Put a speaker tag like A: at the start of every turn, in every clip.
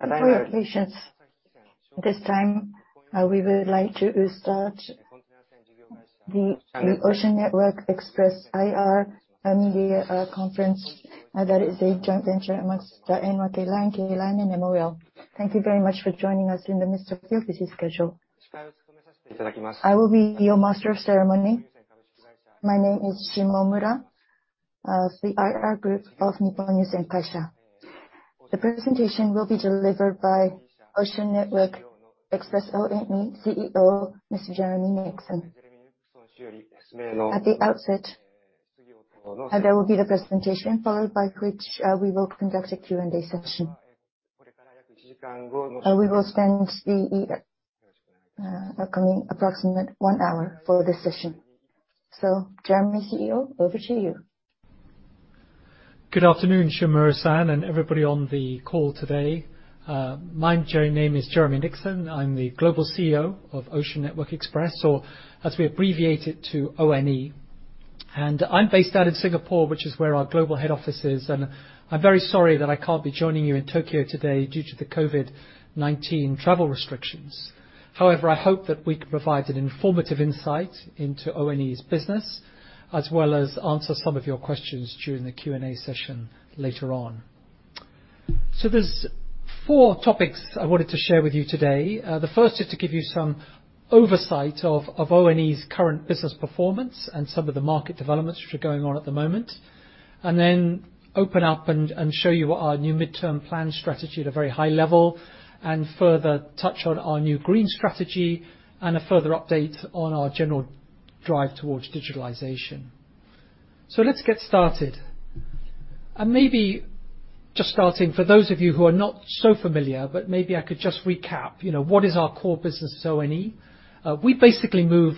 A: For your patience this time, we would like to start the Ocean Network Express IR and Media Conference that is a joint venture amongst the NYK Line, K Line and MOL. Thank you very much for joining us in the midst of your busy schedule. I will be your master of ceremony. My name is Shimomura of the IR Group of Nippon Yusen Kabushiki Kaisha. The presentation will be delivered by Ocean Network Express, ONE, CEO, Mr. Jeremy Nixon. At the outset, there will be the presentation, followed by which we will conduct a Q&A session. We will spend the upcoming approximate one hour for this session. Jeremy, CEO, over to you.
B: Good afternoon, Shimomura-san, and everybody on the call today. My name is Jeremy Nixon. I'm the Global CEO of Ocean Network Express, or as we abbreviate it to ONE. I'm based out of Singapore, which is where our global head office is. I'm very sorry that I can't be joining you in Tokyo today due to the COVID-19 travel restrictions. However, I hope that we can provide an informative insight into ONE's business, as well as answer some of your questions during the Q&A session later on. There's four topics I wanted to share with you today. The first is to give you some oversight of ONE's current business performance and some of the market developments which are going on at the moment. Then open up and show you what our new midterm plan strategy at a very high level, and further touch on our new green strategy, and a further update on our general drive towards digitalization. Let's get started. Maybe just starting, for those of you who are not so familiar, but maybe I could just recap, what is our core business at ONE? We basically move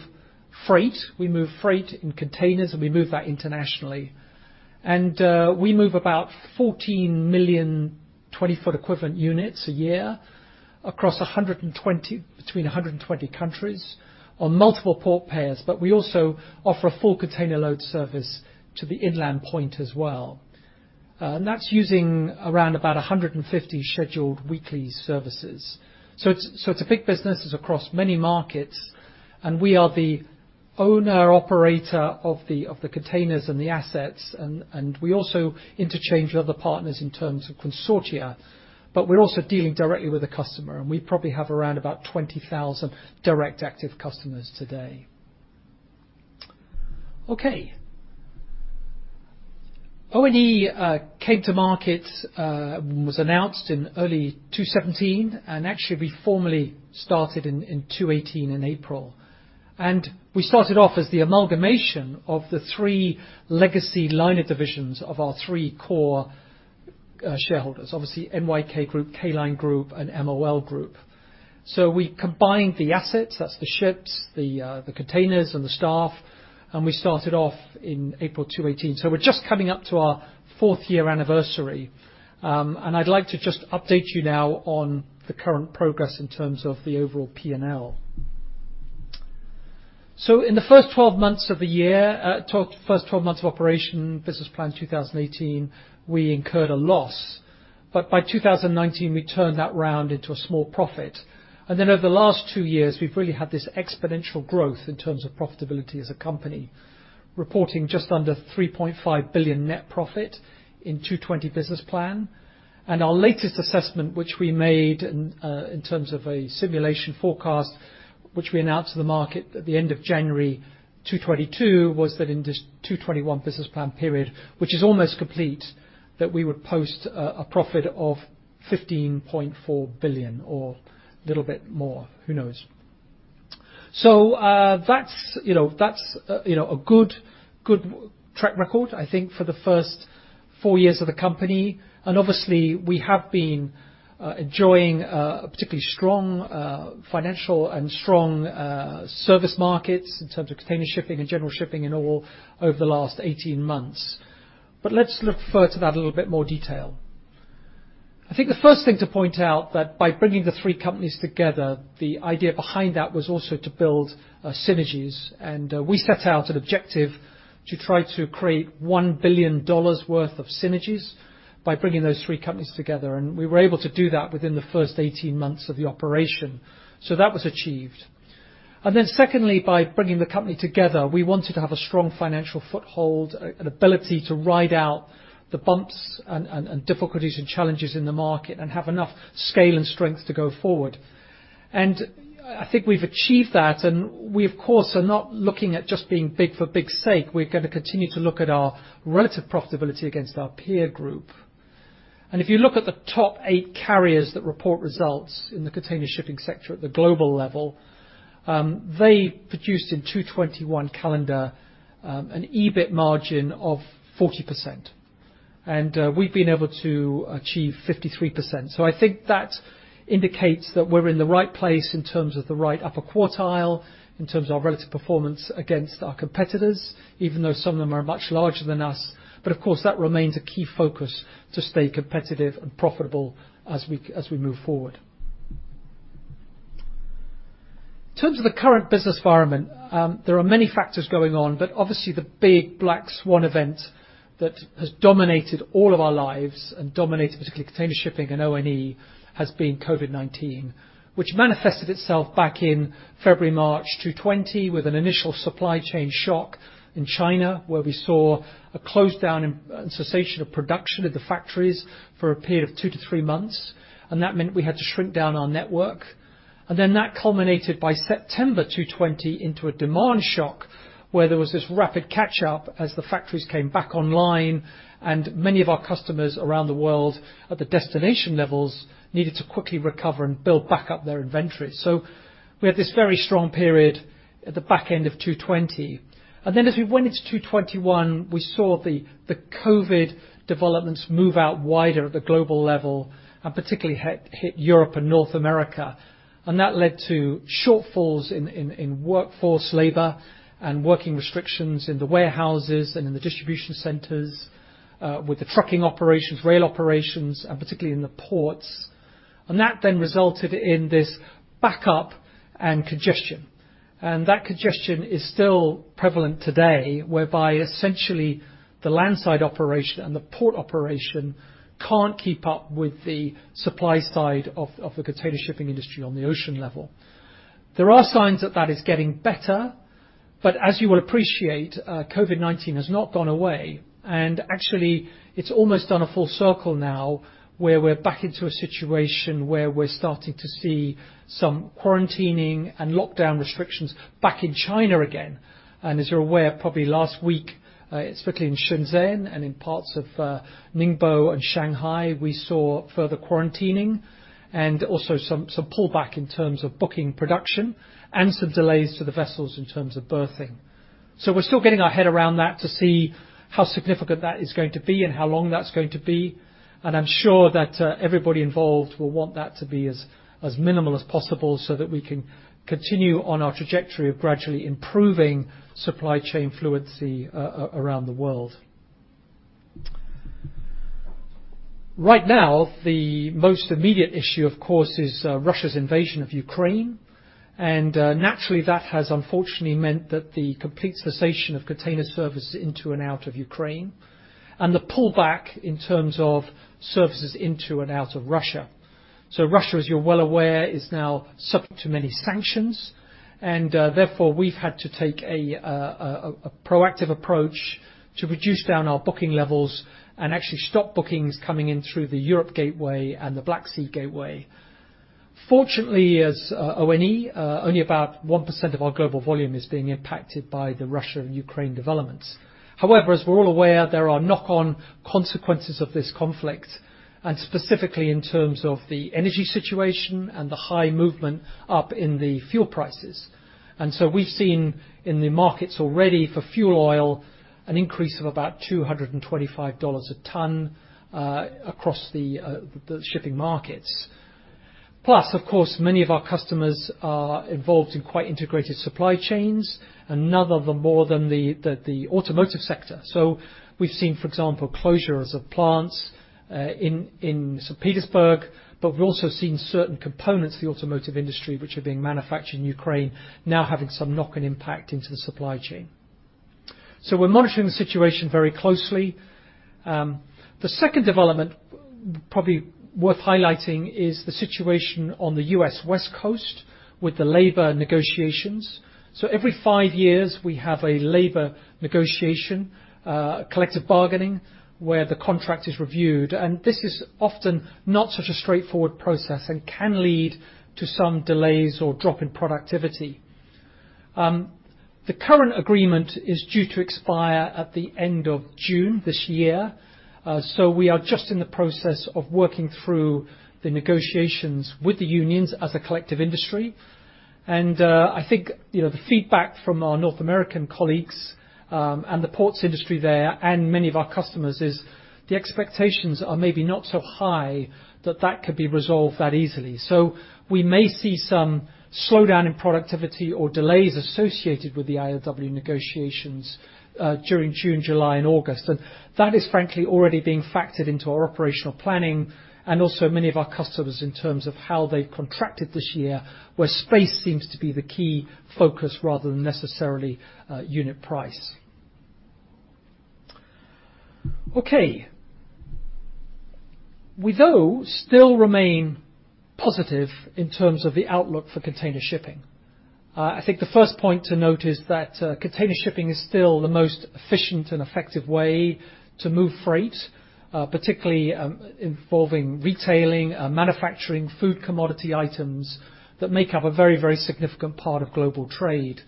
B: freight. We move freight in containers, and we move that internationally. We move about 14 million 20-foot equivalent units a year across between 120 countries on multiple port pairs. We also offer a full container load service to the inland point as well. That's using around about 150 scheduled weekly services. It's a big business, it's across many markets, and we are the owner-operator of the containers and the assets, and we also interchange with other partners in terms of consortia. We're also dealing directly with the customer, we probably have around about 20,000 direct active customers today. Okay. ONE came to market, was announced in early 2017, actually we formally started in 2018 in April. We started off as the amalgamation of the three legacy liner divisions of our three core shareholders. Obviously, NYK Group, K Line Group, and MOL Group. We combined the assets, that's the ships, the containers, and the staff. We started off in April 2018. We're just coming up to our fourth year anniversary. I'd like to just update you now on the current progress in terms of the overall P&L. In the first 12 months of operation, business plan 2018, we incurred a loss. By 2019, we turned that round into a small profit. Over the last two years, we've really had this exponential growth in terms of profitability as a company. Reporting just under 3.5 billion net profit in 2020 business plan. Our latest assessment, which we made in terms of a simulation forecast, which we announced to the market at the end of January 2022, was that in this 2021 business plan period, which is almost complete, that we would post a profit of 15.4 billion or a little bit more, who knows. That's a good track record, I think, for the first four years of the company. Obviously, we have been enjoying a particularly strong financial and strong service markets in terms of container shipping and general shipping in all over the last 18 months. Let's refer to that in a little bit more detail. I think the first thing to point out that by bringing the three companies together, the idea behind that was also to build synergies. We set out an objective to try to create JPY 1 billion worth of synergies by bringing those three companies together. We were able to do that within the first 18 months of the operation. That was achieved. Secondly, by bringing the company together, we wanted to have a strong financial foothold, an ability to ride out the bumps and difficulties and challenges in the market and have enough scale and strength to go forward. I think we've achieved that. We, of course, are not looking at just being big for big's sake. We're going to continue to look at our relative profitability against our peer group. If you look at the top eight carriers that report results in the container shipping sector at the global level, they produced in 2021 calendar, an EBIT margin of 40%. We've been able to achieve 53%. I think that indicates that we're in the right place in terms of the right upper quartile, in terms of our relative performance against our competitors, even though some of them are much larger than us. Of course, that remains a key focus to stay competitive and profitable as we move forward. In terms of the current business environment, there are many factors going on, but obviously the big black swan event that has dominated all of our lives and dominated particularly container shipping and ONE has been COVID-19. Which manifested itself back in February, March 2020 with an initial supply chain shock in China, where we saw a close down and cessation of production at the factories for a period of two to three months, and that meant we had to shrink down our network. That culminated by September 2020 into a demand shock, where there was this rapid catch-up as the factories came back online and many of our customers around the world at the destination levels needed to quickly recover and build back up their inventory. We had this very strong period at the back end of 2020. As we went into 2021, we saw the COVID-19 developments move out wider at the global level and particularly hit Europe and North America. That led to shortfalls in workforce labor and working restrictions in the warehouses and in the distribution centers, with the trucking operations, rail operations, and particularly in the ports. That then resulted in this backup and congestion. That congestion is still prevalent today, whereby essentially the landside operation and the port operation can't keep up with the supply side of the container shipping industry on the ocean level. There are signs that is getting better, but as you will appreciate, COVID-19 has not gone away. Actually, it's almost done a full circle now where we're back into a situation where we're starting to see some quarantining and lockdown restrictions back in China again. As you're aware, probably last week, it's particularly in Shenzhen and in parts of Ningbo and Shanghai, we saw further quarantining and also some pullback in terms of booking production and some delays to the vessels in terms of berthing. We're still getting our head around that to see how significant that is going to be and how long that's going to be. I'm sure that everybody involved will want that to be as minimal as possible so that we can continue on our trajectory of gradually improving supply chain fluency around the world. The most immediate issue, of course, is Russia's invasion of Ukraine. Naturally, that has unfortunately meant that the complete cessation of container services into and out of Ukraine and the pullback in terms of services into and out of Russia. Russia, as you're well aware, is now subject to many sanctions, and therefore we've had to take a proactive approach to reduce down our booking levels and actually stop bookings coming in through the Europe gateway and the Black Sea gateway. Fortunately, as ONE, only about 1% of our global volume is being impacted by the Russia and Ukraine developments. However, as we're all aware, there are knock-on consequences of this conflict, and specifically in terms of the energy situation and the high movement up in the fuel prices. We've seen in the markets already for fuel oil, an increase of about JPY 225 a ton, across the shipping markets. Plus, of course, many of our customers are involved in quite integrated supply chains, and none of them more than the automotive sector. We've seen, for example, closures of plants in St. Petersburg, but we've also seen certain components of the automotive industry which are being manufactured in Ukraine now having some knock-on impact into the supply chain. We're monitoring the situation very closely. The second development probably worth highlighting is the situation on the U.S. West Coast with the labor negotiations. Every five years, we have a labor negotiation, collective bargaining, where the contract is reviewed. This is often not such a straightforward process and can lead to some delays or drop in productivity. The current agreement is due to expire at the end of June this year. We are just in the process of working through the negotiations with the unions as a collective industry. I think the feedback from our North American colleagues, and the ports industry there and many of our customers is the expectations are maybe not so high that that could be resolved that easily. We may see some slowdown in productivity or delays associated with the ILWU negotiations during June, July, and August. That is frankly already being factored into our operational planning and also many of our customers in terms of how they've contracted this year, where space seems to be the key focus rather than necessarily unit price. Okay. We, though, still remain positive in terms of the outlook for container shipping. I think the first point to note is that container shipping is still the most efficient and effective way to move freight, particularly involving retailing, manufacturing, food commodity items that make up a very, very significant part of global trade.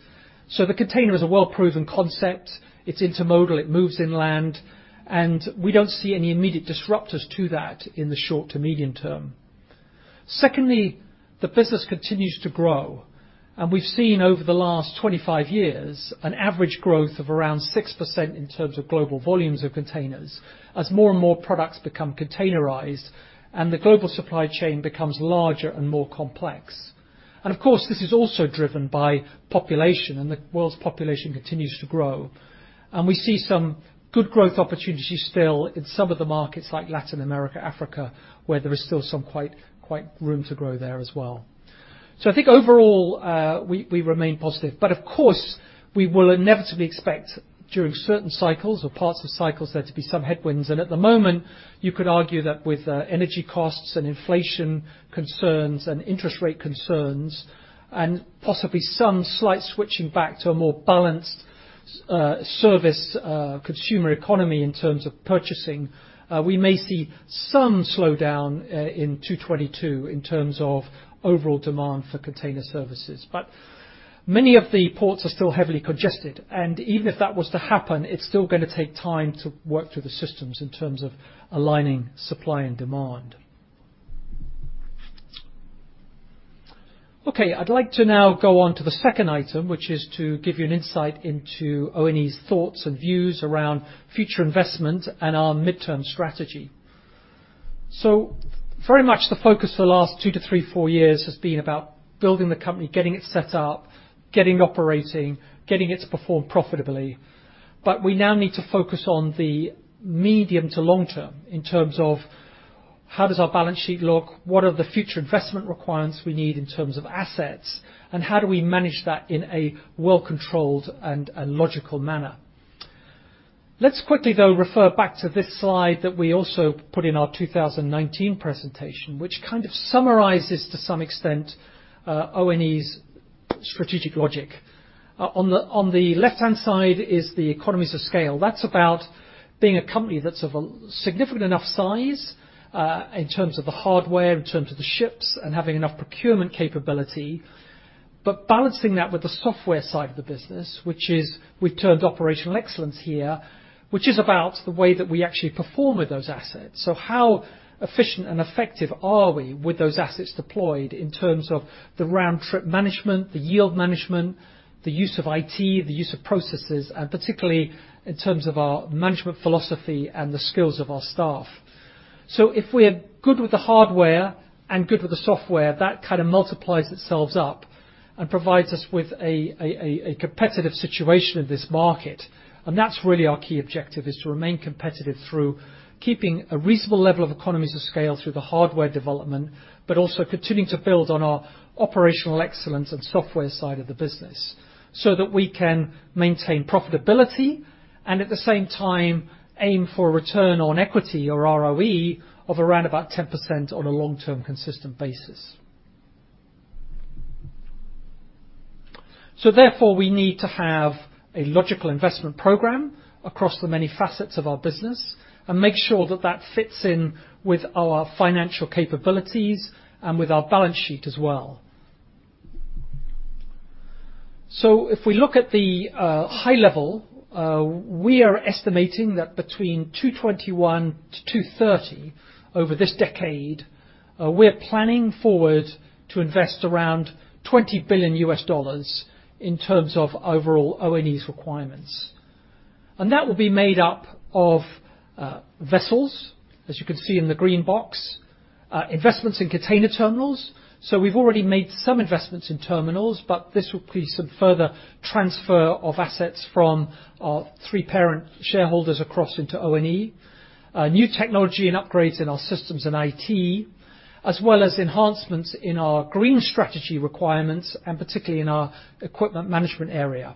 B: The container is a well-proven concept. It's intermodal. It moves inland. We don't see any immediate disruptors to that in the short to medium term. Secondly, the business continues to grow. We've seen over the last 25 years an average growth of around 6% in terms of global volumes of containers as more and more products become containerized and the global supply chain becomes larger and more complex. Of course, this is also driven by population, and the world's population continues to grow. We see some good growth opportunities still in some of the markets like Latin America, Africa, where there is still some quite room to grow there as well. I think overall, we remain positive. Of course, we will inevitably expect during certain cycles or parts of cycles there to be some headwinds. At the moment, you could argue that with energy costs and inflation concerns and interest rate concerns, and possibly some slight switching back to a more balanced service consumer economy in terms of purchasing, we may see some slowdown in 2022 in terms of overall demand for container services. Many of the ports are still heavily congested, and even if that was to happen, it's still going to take time to work through the systems in terms of aligning supply and demand. Okay, I'd like to now go on to the second item, which is to give you an insight into ONE's thoughts and views around future investment and our midterm strategy. Very much the focus for the last two to three, four years has been about building the company, getting it set up, getting operating, getting it to perform profitably. We now need to focus on the medium to long term in terms of how does our balance sheet look? What are the future investment requirements we need in terms of assets, and how do we manage that in a well controlled and logical manner? Let's quickly, though, refer back to this slide that we also put in our 2019 presentation, which kind of summarizes to some extent, ONE's strategic logic. On the left-hand side is the economies of scale. That's about being a company that's of a significant enough size, in terms of the hardware, in terms of the ships, and having enough procurement capability, but balancing that with the software side of the business. Which is we've termed operational excellence here, which is about the way that we actually perform with those assets. How efficient and effective are we with those assets deployed in terms of the round trip management, the yield management, the use of IT, the use of processes, and particularly in terms of our management philosophy and the skills of our staff. If we're good with the hardware and good with the software, that kind of multiplies itself up and provides us with a competitive situation in this market. That's really our key objective, is to remain competitive through keeping a reasonable level of economies of scale through the hardware development, but also continuing to build on our operational excellence and software side of the business so that we can maintain profitability and, at the same time, aim for a return on equity or ROE of around about 10% on a long-term consistent basis. Therefore, we need to have a logical investment program across the many facets of our business and make sure that that fits in with our financial capabilities and with our balance sheet as well. If we look at the high level, we are estimating that between 2021 to 2030, over this decade, we're planning forward to invest around $20 billion in terms of overall ONE requirements. That will be made up of vessels, as you can see in the green box. Investments in container terminals. We've already made some investments in terminals, but this will be some further transfer of assets from our three parent shareholders across into ONE. New technology and upgrades in our systems and IT, as well as enhancements in our green strategy requirements and particularly in our equipment management area.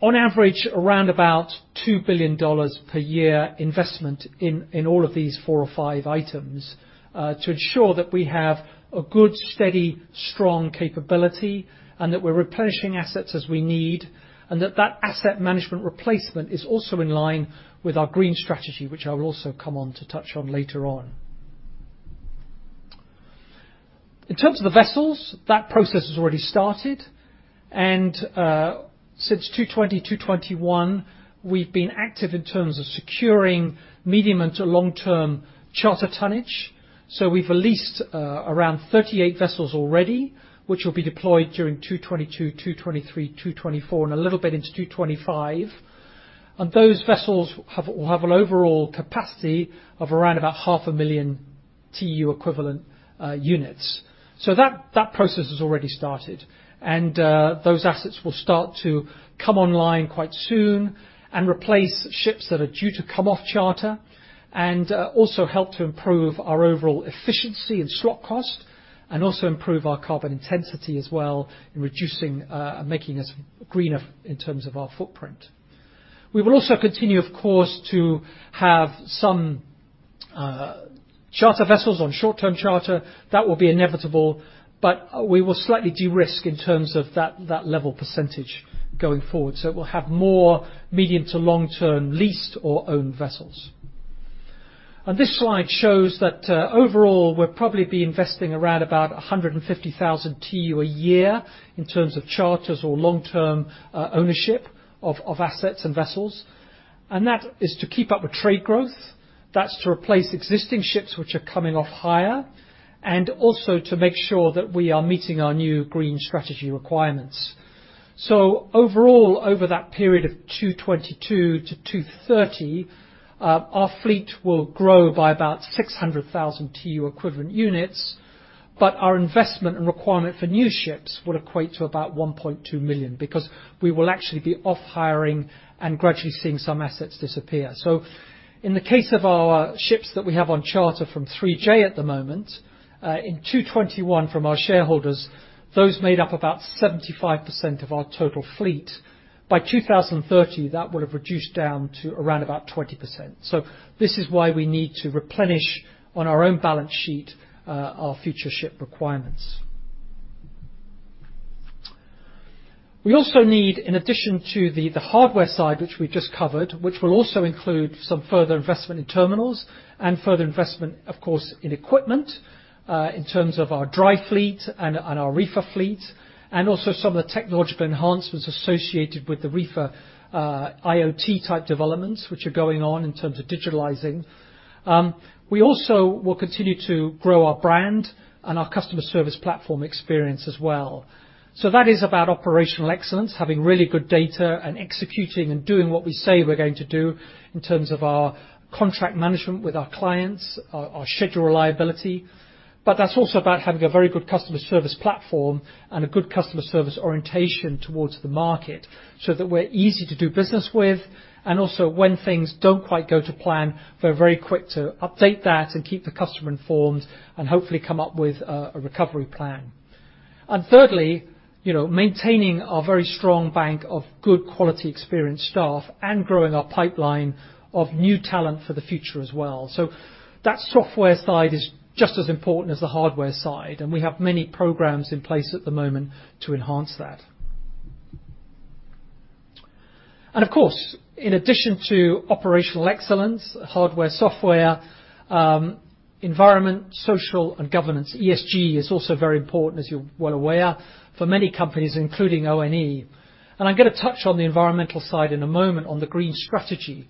B: On average, around about $2 billion per year investment in all of these four or five items, to ensure that we have a good, steady, strong capability and that we're replenishing assets as we need, and that that asset management replacement is also in line with our green strategy, which I will also come on to touch on later on. In terms of the vessels, that process has already started, and since 2020, 2021, we've been active in terms of securing medium and to long-term charter tonnage. We've leased around 38 vessels already, which will be deployed during 2022, 2023, 2024, and a little bit into 2025. Those vessels will have an overall capacity of around about half a million TEU equivalent units. That process has already started, and those assets will start to come online quite soon and replace ships that are due to come off charter and also help to improve our overall efficiency and slot cost and also improve our carbon intensity as well in reducing, making us greener in terms of our footprint. We will also continue, of course, to have some charter vessels on short-term charter. That will be inevitable, but we will slightly de-risk in terms of that level percentage going forward. We'll have more medium to long-term leased or owned vessels. This slide shows that overall, we'll probably be investing around about 150,000 TEU a year in terms of charters or long-term ownership of assets and vessels. That is to keep up with trade growth. That's to replace existing ships which are coming off hire, and also to make sure that we are meeting our new green strategy requirements. Overall, over that period of 2022 to 2030, our fleet will grow by about 600,000 TEU equivalent units. Our investment and requirement for new ships would equate to about 1.2 million because we will actually be off hiring and gradually seeing some assets disappear. In the case of our ships that we have on charter from 3J at the moment, in 2021 from our shareholders, those made up about 75% of our total fleet. By 2030, that would have reduced down to around about 20%. This is why we need to replenish on our own balance sheet, our future ship requirements. We also need, in addition to the hardware side which we just covered, which will also include some further investment in terminals and further investment, of course, in equipment, in terms of our dry fleet and our reefer fleet, and also some of the technological enhancements associated with the reefer IoT type developments which are going on in terms of digitalizing. We also will continue to grow our brand and our customer service platform experience as well. That is about operational excellence, having really good data and executing and doing what we say we're going to do in terms of our contract management with our clients, our schedule reliability. That's also about having a very good customer service platform and a good customer service orientation towards the market so that we're easy to do business with. Also when things don't quite go to plan, we're very quick to update that and keep the customer informed and hopefully come up with a recovery plan. Thirdly, maintaining our very strong bank of good quality, experienced staff and growing our pipeline of new talent for the future as well. That software side is just as important as the hardware side, and we have many programs in place at the moment to enhance that. Of course, in addition to operational excellence, hardware, software, environment, social and governance, ESG is also very important, as you're well aware, for many companies, including ONE. I'm going to touch on the environmental side in a moment on the green strategy.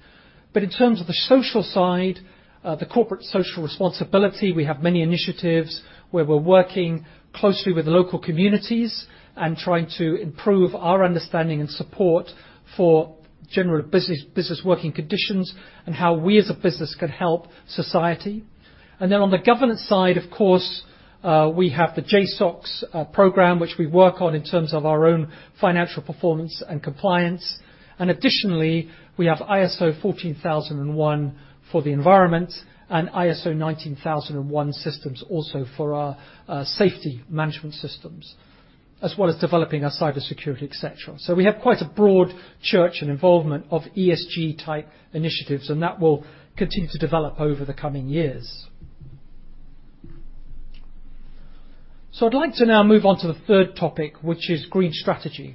B: In terms of the social side, the corporate social responsibility, we have many initiatives where we're working closely with local communities and trying to improve our understanding and support for general business working conditions and how we as a business can help society. Then on the governance side, of course, we have the J-SOX program, which we work on in terms of our own financial performance and compliance. Additionally, we have ISO 14001 for the environment and ISO 9001 systems also for our safety management systems, as well as developing our cybersecurity, et cetera. We have quite a broad church and involvement of ESG type initiatives, and that will continue to develop over the coming years. I'd like to now move on to the third topic, which is green strategy.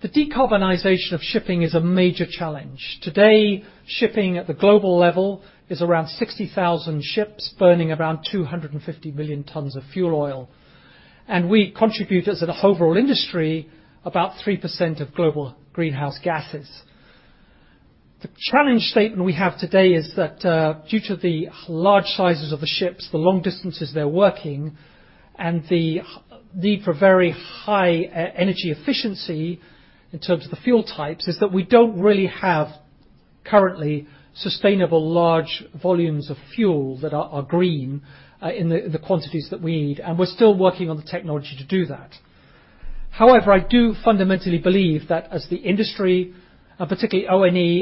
B: The decarbonization of shipping is a major challenge. Today, shipping at the global level is around 60,000 ships burning around 250 million tons of fuel oil. We contribute, as an overall industry, about 3% of global greenhouse gases. The challenge statement we have today is that, due to the large sizes of the ships, the long distances they're working, and the need for very high energy efficiency in terms of the fuel types, is that we don't really have currently sustainable large volumes of fuel that are green in the quantities that we need. We're still working on the technology to do that. However, I do fundamentally believe that as the industry, and particularly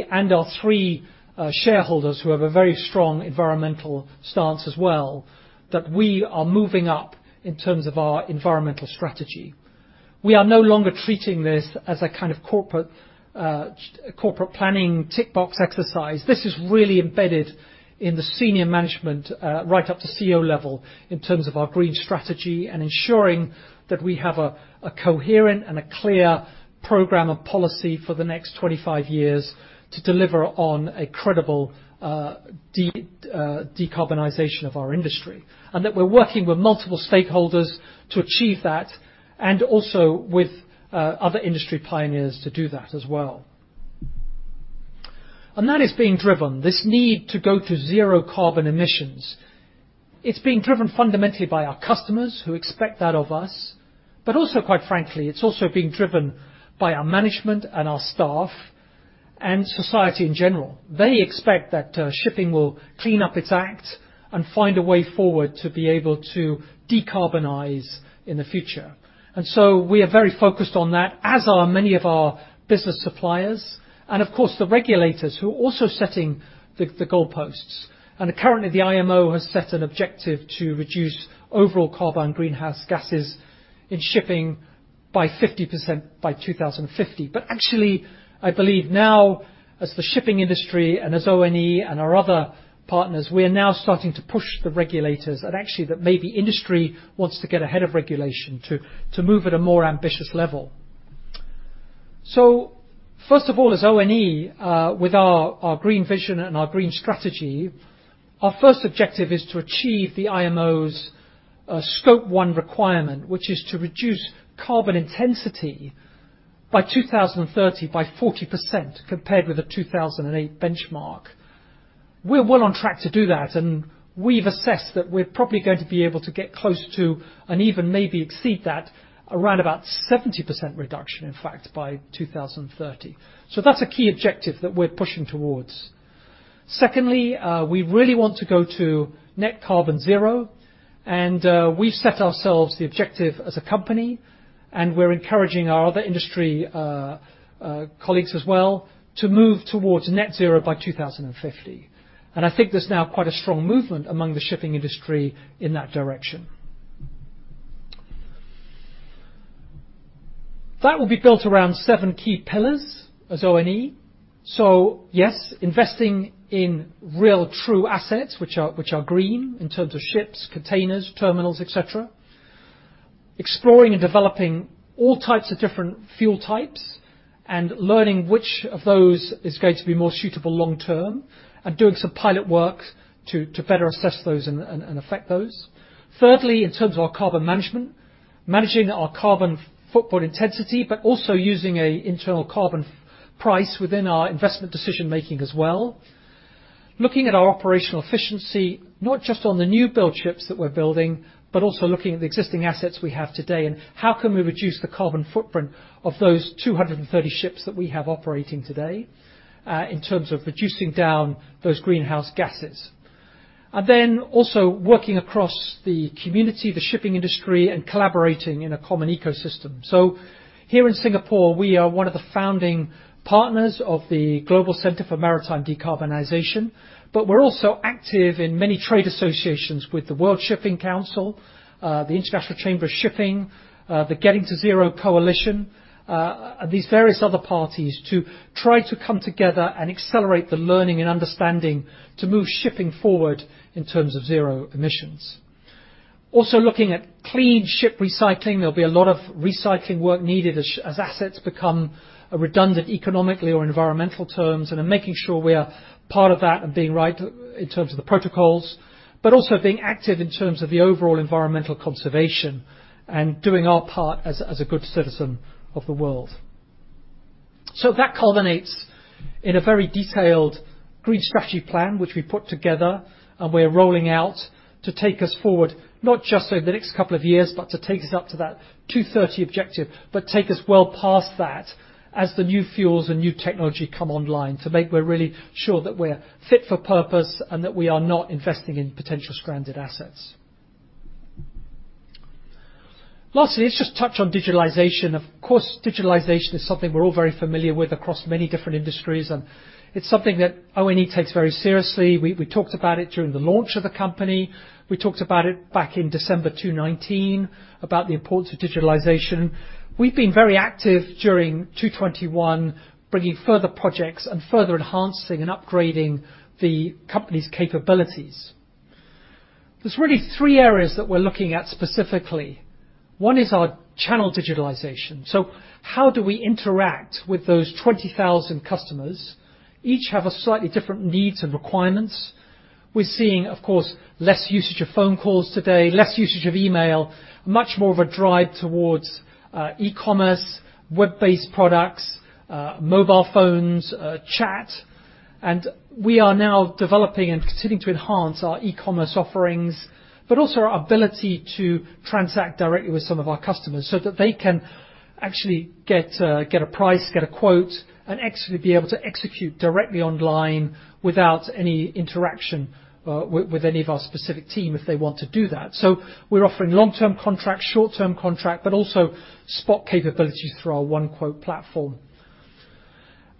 B: ONE and our three shareholders who have a very strong environmental stance as well, that we are moving up in terms of our environmental strategy. We are no longer treating this as a kind of corporate planning tick box exercise. This is really embedded in the senior management, right up to CEO level in terms of our green strategy and ensuring that we have a coherent and a clear program of policy for the next 25 years to deliver on a credible decarbonization of our industry, and that we're working with multiple stakeholders to achieve that and also with other industry pioneers to do that as well. That is being driven. This need to go to zero carbon emissions, it's being driven fundamentally by our customers who expect that of us. Also, quite frankly, it's also being driven by our management and our staff and society in general. They expect that shipping will clean up its act and find a way forward to be able to decarbonize in the future. We are very focused on that, as are many of our business suppliers and, of course, the regulators who are also setting the goalposts. Currently, the IMO has set an objective to reduce overall carbon greenhouse gases in shipping by 50% by 2050. Actually, I believe now as the shipping industry and as ONE and our other partners, we are now starting to push the regulators and actually that maybe industry wants to get ahead of regulation to move at a more ambitious level. First of all, as ONE, with our green vision and our green strategy, our first objective is to achieve the IMO's Scope 1 requirement, which is to reduce carbon intensity by 2030 by 40%, compared with a 2008 benchmark. We're well on track to do that, and we've assessed that we're probably going to be able to get close to and even maybe exceed that around about 70% reduction, in fact, by 2030. That's a key objective that we're pushing towards. Secondly, we really want to go to net carbon zero. We've set ourselves the objective as a company, and we're encouraging our other industry colleagues as well to move towards net zero by 2050. I think there's now quite a strong movement among the shipping industry in that direction. That will be built around seven key pillars as ONE. Yes, investing in real true assets, which are green in terms of ships, containers, terminals, et cetera. Exploring and developing all types of different fuel types, and learning which of those is going to be more suitable long-term, and doing some pilot work to better assess those and affect those. Thirdly, in terms of our carbon management, managing our carbon footprint intensity, but also using an internal carbon price within our investment decision-making as well. Looking at our operational efficiency, not just on the new build ships that we're building, but also looking at the existing assets we have today, and how can we reduce the carbon footprint of those 230 ships that we have operating today, in terms of reducing down those greenhouse gases. Also working across the community, the shipping industry, and collaborating in a common ecosystem. Here in Singapore, we are one of the founding partners of the Global Centre for Maritime Decarbonisation, but we're also active in many trade associations with the World Shipping Council, the International Chamber of Shipping, the Getting to Zero Coalition, these various other parties to try to come together and accelerate the learning and understanding to move shipping forward in terms of zero emissions. Also looking at clean ship recycling. There'll be a lot of recycling work needed as assets become redundant economically or environmental terms, and then making sure we are part of that and being right in terms of the protocols, but also being active in terms of the overall environmental conservation and doing our part as a good citizen of the world. That culminates in a very detailed green strategy plan, which we put together and we're rolling out to take us forward, not just over the next couple of years, but to take us up to that 2030 objective, but take us well past that as the new fuels and new technology come online to make we're really sure that we're fit for purpose and that we are not investing in potential stranded assets. Lastly, let's just touch on digitalization. Of course, digitalization is something we're all very familiar with across many different industries, and it's something that ONE takes very seriously. We talked about it during the launch of the company. We talked about it back in December 2019 about the importance of digitalization. We've been very active during 2021, bringing further projects and further enhancing and upgrading the company's capabilities. There's really three areas that we're looking at specifically. One is our channel digitalization. How do we interact with those 20,000 customers? Each have a slightly different needs and requirements. We're seeing, of course, less usage of phone calls today, less usage of email, much more of a drive towards e-commerce, web-based products, mobile phones, chat. We are now developing and continuing to enhance our e-commerce offerings, but also our ability to transact directly with some of our customers so that they can actually get a price, get a quote, and actually be able to execute directly online without any interaction with any of our specific team if they want to do that. We're offering long-term contract, short-term contract, but also spot capabilities through our ONE QUOTE platform.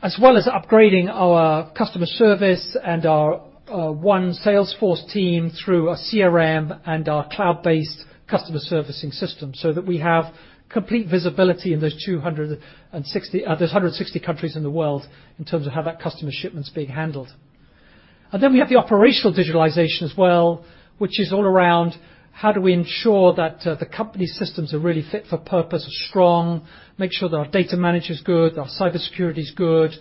B: As well as upgrading our customer service and our ONE Salesforce team through a CRM and our cloud-based customer servicing system so that we have complete visibility in those 160 countries in the world in terms of how that customer shipment is being handled. We have the operational digitalization as well, which is all around how do we ensure that the company systems are really fit for purpose, are strong, make sure that our data manager is good, our cybersecurity is good,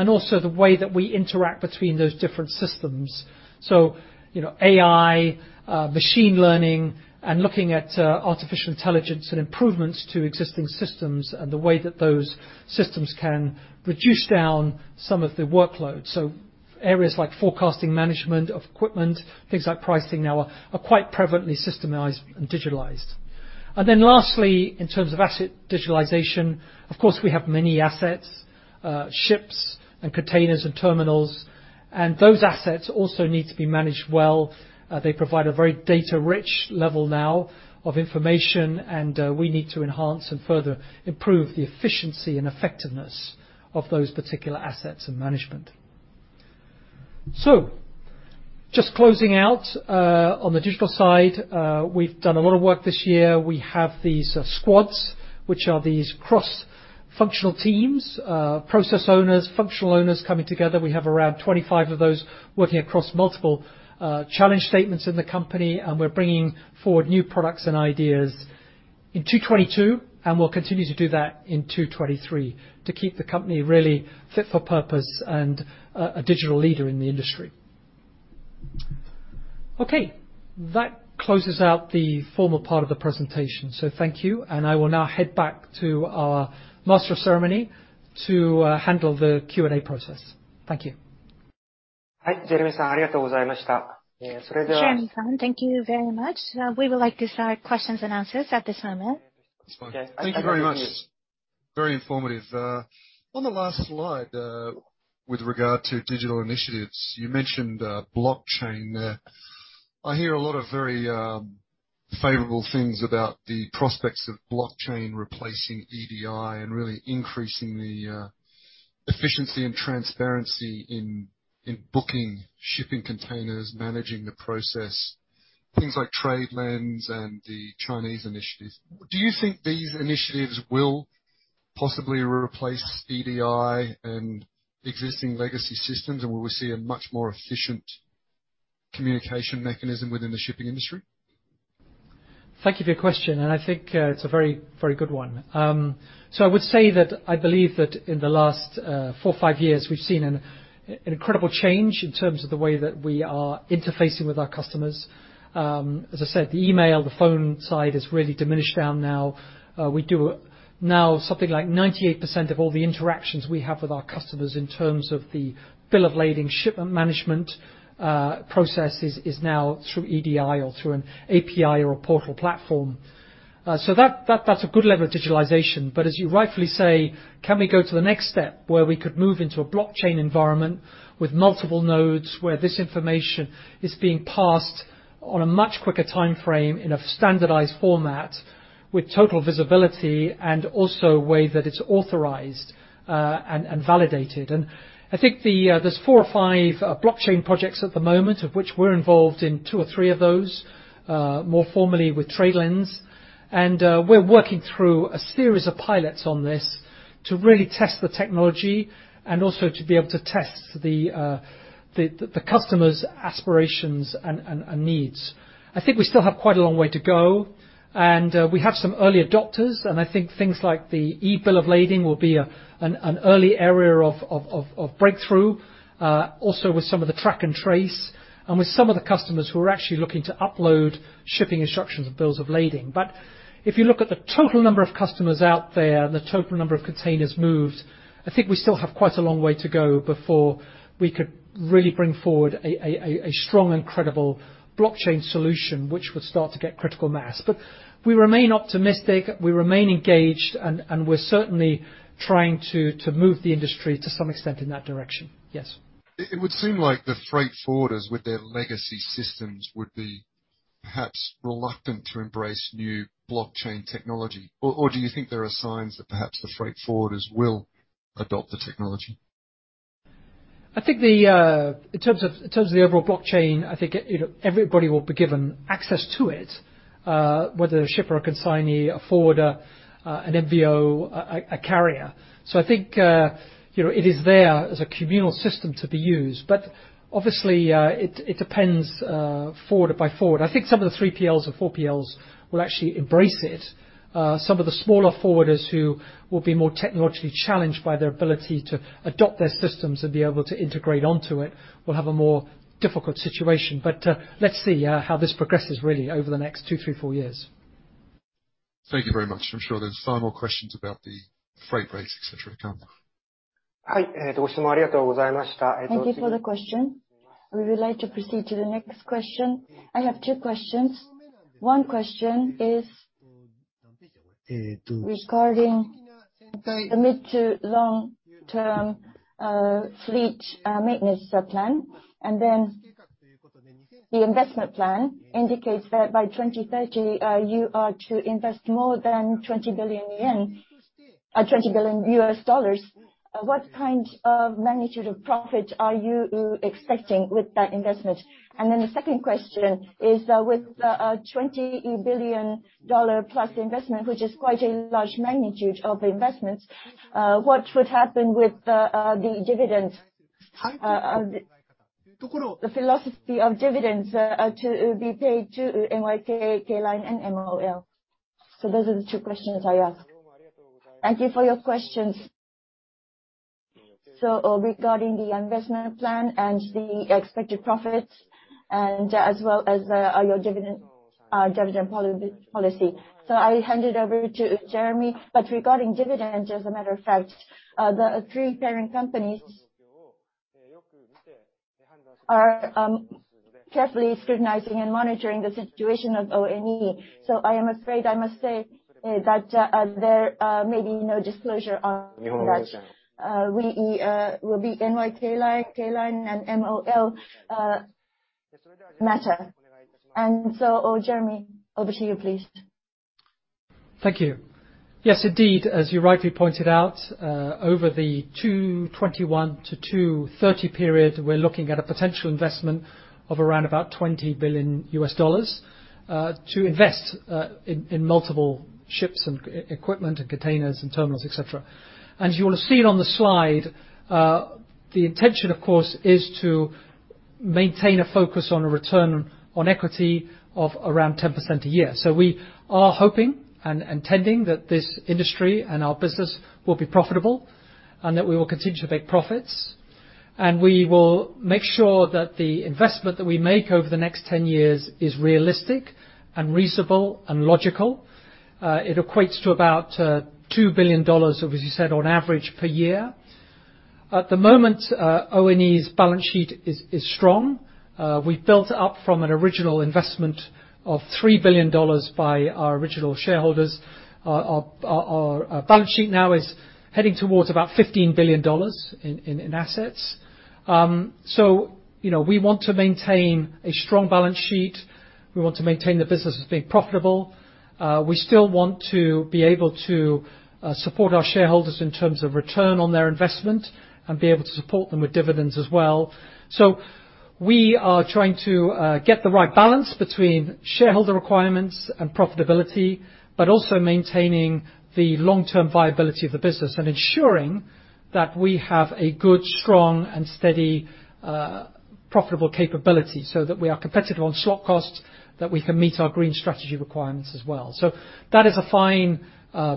B: and also the way that we interact between those different systems. AI, machine learning, and looking at artificial intelligence and improvements to existing systems and the way that those systems can reduce down some of the workload. Areas like forecasting management of equipment, things like pricing now are quite prevalently systemized and digitalized. Lastly, in terms of asset digitalization, of course, we have many assets, ships and containers and terminals. Those assets also need to be managed well. They provide a very data-rich level now of information, and we need to enhance and further improve the efficiency and effectiveness of those particular assets and management. Just closing out, on the digital side, we've done a lot of work this year. We have these squads, which are these cross-functional teams, process owners, functional owners coming together. We have around 25 of those working across multiple challenge statements in the company, and we're bringing forward new products and ideas in 2022, and we'll continue to do that in 2023 to keep the company really fit for purpose and a digital leader in the industry. That closes out the formal part of the presentation. Thank you. I will now head back to our master of ceremony to handle the Q&A process. Thank you.
A: Jeremy-san, thank you very much. We would like to start questions and answers at this moment.
C: Thank you very much. Very informative. On the last slide, with regard to digital initiatives, you mentioned blockchain there. I hear a lot of very favorable things about the prospects of blockchain replacing EDI and really increasing the efficiency and transparency in booking shipping containers, managing the process, things like TradeLens and the Chinese initiatives. Do you think these initiatives will possibly replace EDI and existing legacy systems, and we will see a much more efficient communication mechanism within the shipping industry?
B: Thank you for your question. I think it's a very good one. I would say that I believe that in the last four or five years, we've seen an incredible change in terms of the way that we are interfacing with our customers. As I said, the email, the phone side has really diminished down now. We do now something like 98% of all the interactions we have with our customers in terms of the bill of lading, shipment management processes, is now through EDI or through an API or a portal platform. That's a good level of digitalization. As you rightfully say, can we go to the next step where we could move into a blockchain environment with multiple nodes, where this information is being passed on a much quicker timeframe in a standardized format with total visibility, and also a way that it's authorized and validated? I think there's four or five blockchain projects at the moment, of which we're involved in two or three of those, more formally with TradeLens. We're working through a series of pilots on this to really test the technology and also to be able to test the customer's aspirations and needs. I think we still have quite a long way to go. We have some early adopters, and I think things like the e-bill of lading will be an early area of breakthrough, also with some of the track and trace, and with some of the customers who are actually looking to upload shipping instructions and bills of lading. If you look at the total number of customers out there and the total number of containers moved, I think we still have quite a long way to go before we could really bring forward a strong and credible blockchain solution, which would start to get critical mass. We remain optimistic, we remain engaged, and we're certainly trying to move the industry to some extent in that direction. Yes.
C: It would seem like the freight forwarders with their legacy systems would be perhaps reluctant to embrace new blockchain technology. Or do you think there are signs that perhaps the freight forwarders will adopt the technology?
B: I think in terms of the overall blockchain, I think everybody will be given access to it, whether a shipper, a consignee, a forwarder, an NVOCC, a carrier. I think it is there as a communal system to be used, but obviously, it depends forwarder by forwarder. I think some of the 3PLs or 4PLs will actually embrace it. Some of the smaller forwarders who will be more technologically challenged by their ability to adopt their systems and be able to integrate onto it will have a more difficult situation. Let's see how this progresses really over the next two, three, four years.
C: Thank you very much. I'm sure there's far more questions about the freight rates, et cetera to come.
A: Thank you for the question. We would like to proceed to the next question. I have two questions. One question is regarding the mid to long-term fleet maintenance plan. The investment plan indicates that by 2030, you are to invest more than $20 billion. What kind of magnitude of profit are you expecting with that investment? The second question is, with a $20 billion plus investment, which is quite a large magnitude of investment, what would happen with the dividend? The philosophy of dividends to be paid to NYK, K Line, and MOL. Those are the two questions I ask. Thank you for your questions. Regarding the investment plan and the expected profits, and as well as your dividend policy. I hand it over to Jeremy, regarding dividend, as a matter of fact, the three parent companies are carefully scrutinizing and monitoring the situation of ONE. I am afraid I must say that there may be no disclosure on that. will be NYK Line, K Line, and MOL matter. Jeremy, over to you, please.
B: Thank you. Yes, indeed, as you rightly pointed out, over the 2021 to 2030 period, we're looking at a potential investment of around about $20 billion US dollars to invest in multiple ships and equipment and containers and terminals, et cetera. You will have seen on the slide, the intention, of course, is to maintain a focus on a return on equity of around 10% a year. We are hoping and intending that this industry and our business will be profitable, and that we will continue to make profits. We will make sure that the investment that we make over the next 10 years is realistic and reasonable and logical. It equates to about $2 billion, obviously said on average, per year. At the moment ONE's balance sheet is strong. We built up from an original investment of $3 billion by our original shareholders. Our balance sheet now is heading towards about $15 billion in assets. We want to maintain a strong balance sheet. We want to maintain the business as being profitable. We still want to be able to support our shareholders in terms of return on their investment and be able to support them with dividends as well. We are trying to get the right balance between shareholder requirements and profitability, also maintaining the long-term viability of the business and ensuring that we have a good, strong, and profitable capability so that we are competitive on slot costs, that we can meet our green strategy requirements as well. That is a fine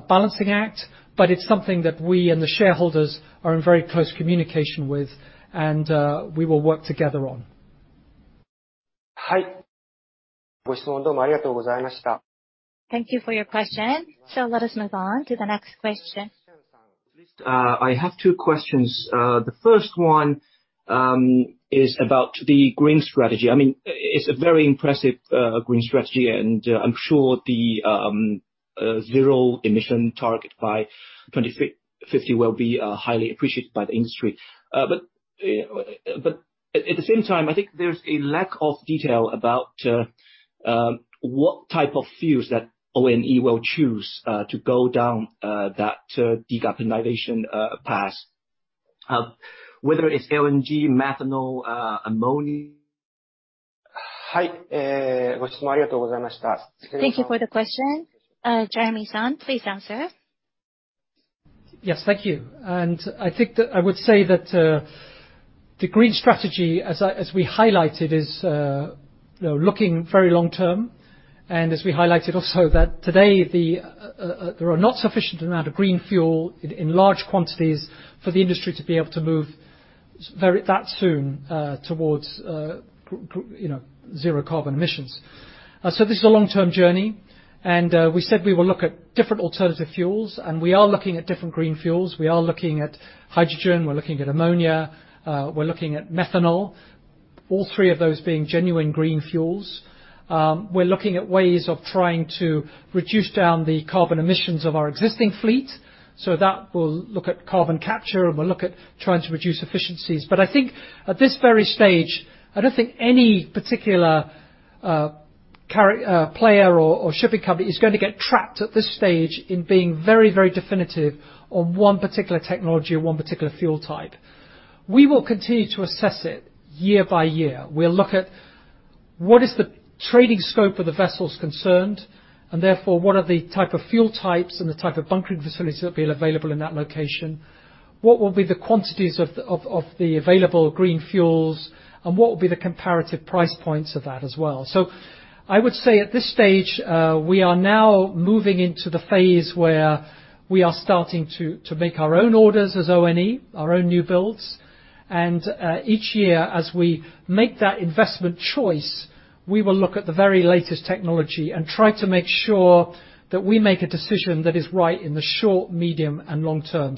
B: balancing act, it's something that we and the shareholders are in very close communication with, we will work together on.
A: Thank you for your question. Let us move on to the next question.
C: I have two questions. The first one is about the green strategy. It is a very impressive green strategy, and I am sure the zero emission target by 2050 will be highly appreciated by the industry. At the same time, I think there is a lack of detail about what type of fuels that ONE will choose to go down that decarbonization path, whether it is LNG, methanol, ammonia.
A: Thank you for the question. Jeremy-san, please answer.
B: Yes, thank you. I think that I would say that the green strategy, as we highlighted, is looking very long-term, as we highlighted also that today there are not sufficient amount of green fuel in large quantities for the industry to be able to move that soon towards zero carbon emissions. This is a long-term journey, and we said we will look at different alternative fuels, and we are looking at different green fuels. We are looking at hydrogen, we are looking at ammonia, we are looking at methanol. All three of those being genuine green fuels. We are looking at ways of trying to reduce down the carbon emissions of our existing fleet, so that we will look at carbon capture, and we will look at trying to reduce efficiencies. I think at this very stage, I do not think any particular player or shipping company is going to get trapped at this stage in being very, very definitive on one particular technology or one particular fuel type. We will continue to assess it year by year. We will look at what is the trading scope of the vessels concerned, and therefore, what are the type of fuel types and the type of bunkering facilities that will be available in that location? What will be the quantities of the available green fuels, and what will be the comparative price points of that as well? I would say at this stage, we are now moving into the phase where we are starting to make our own orders as ONE, our own new builds. Each year, as we make that investment choice, we will look at the very latest technology and try to make sure that we make a decision that is right in the short, medium, and long term.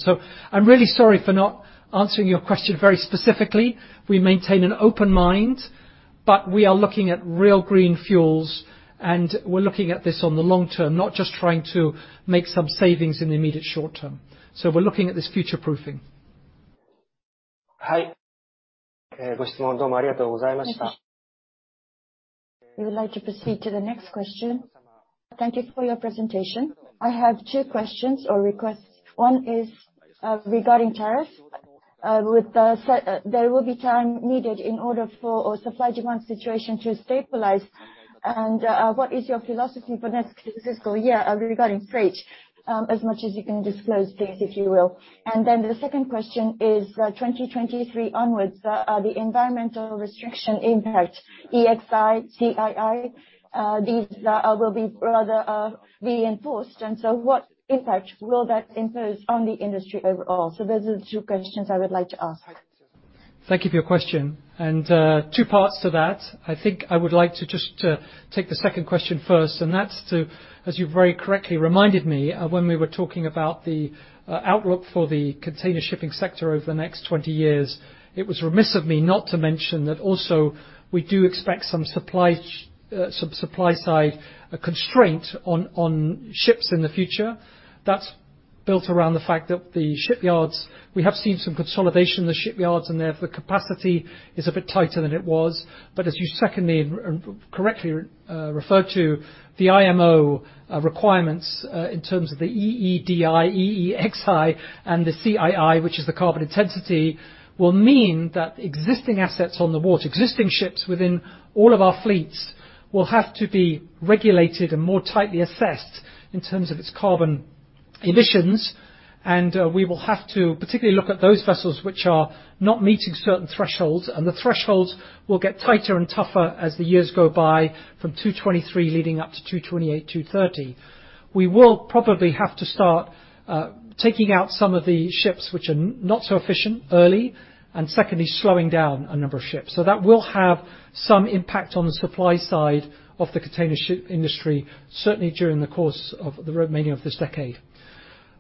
B: I'm really sorry for not answering your question very specifically. We maintain an open mind, we are looking at real green fuels, we're looking at this on the long term, not just trying to make some savings in the immediate short term. We're looking at this future-proofing.
A: We would like to proceed to the next question. Thank you for your presentation. I have two questions or requests. One is regarding tariff. There will be time needed in order for our supply/demand situation to stabilize. What is your philosophy for next fiscal year regarding freight? As much as you can disclose please, if you will. The second question is, 2023 onwards, the environmental restriction impact, EEXI, CII, these will be enforced, what impact will that impose on the industry overall? Those are the two questions I would like to ask.
B: Thank you for your question. Two parts to that. I think I would like to just take the second question first, that's to, as you very correctly reminded me, when we were talking about the outlook for the container shipping sector over the next 20 years, it was remiss of me not to mention that also we do expect some supply side constraint on ships in the future. That's built around the fact that the shipyards, we have seen some consolidation in the shipyards, therefore capacity is a bit tighter than it was. As you secondly and correctly referred to, the IMO requirements, in terms of the EEDI, EEXI, and the CII, which is the carbon intensity, will mean that existing assets on the water, existing ships within all of our fleets, will have to be regulated and more tightly assessed in terms of its carbon emissions. We will have to particularly look at those vessels which are not meeting certain thresholds, and the thresholds will get tighter and tougher as the years go by, from 2023 leading up to 2028, 2030. We will probably have to start taking out some of the ships which are not so efficient early, and secondly, slowing down a number of ships. That will have some impact on the supply side of the container ship industry, certainly during the course of the remaining of this decade.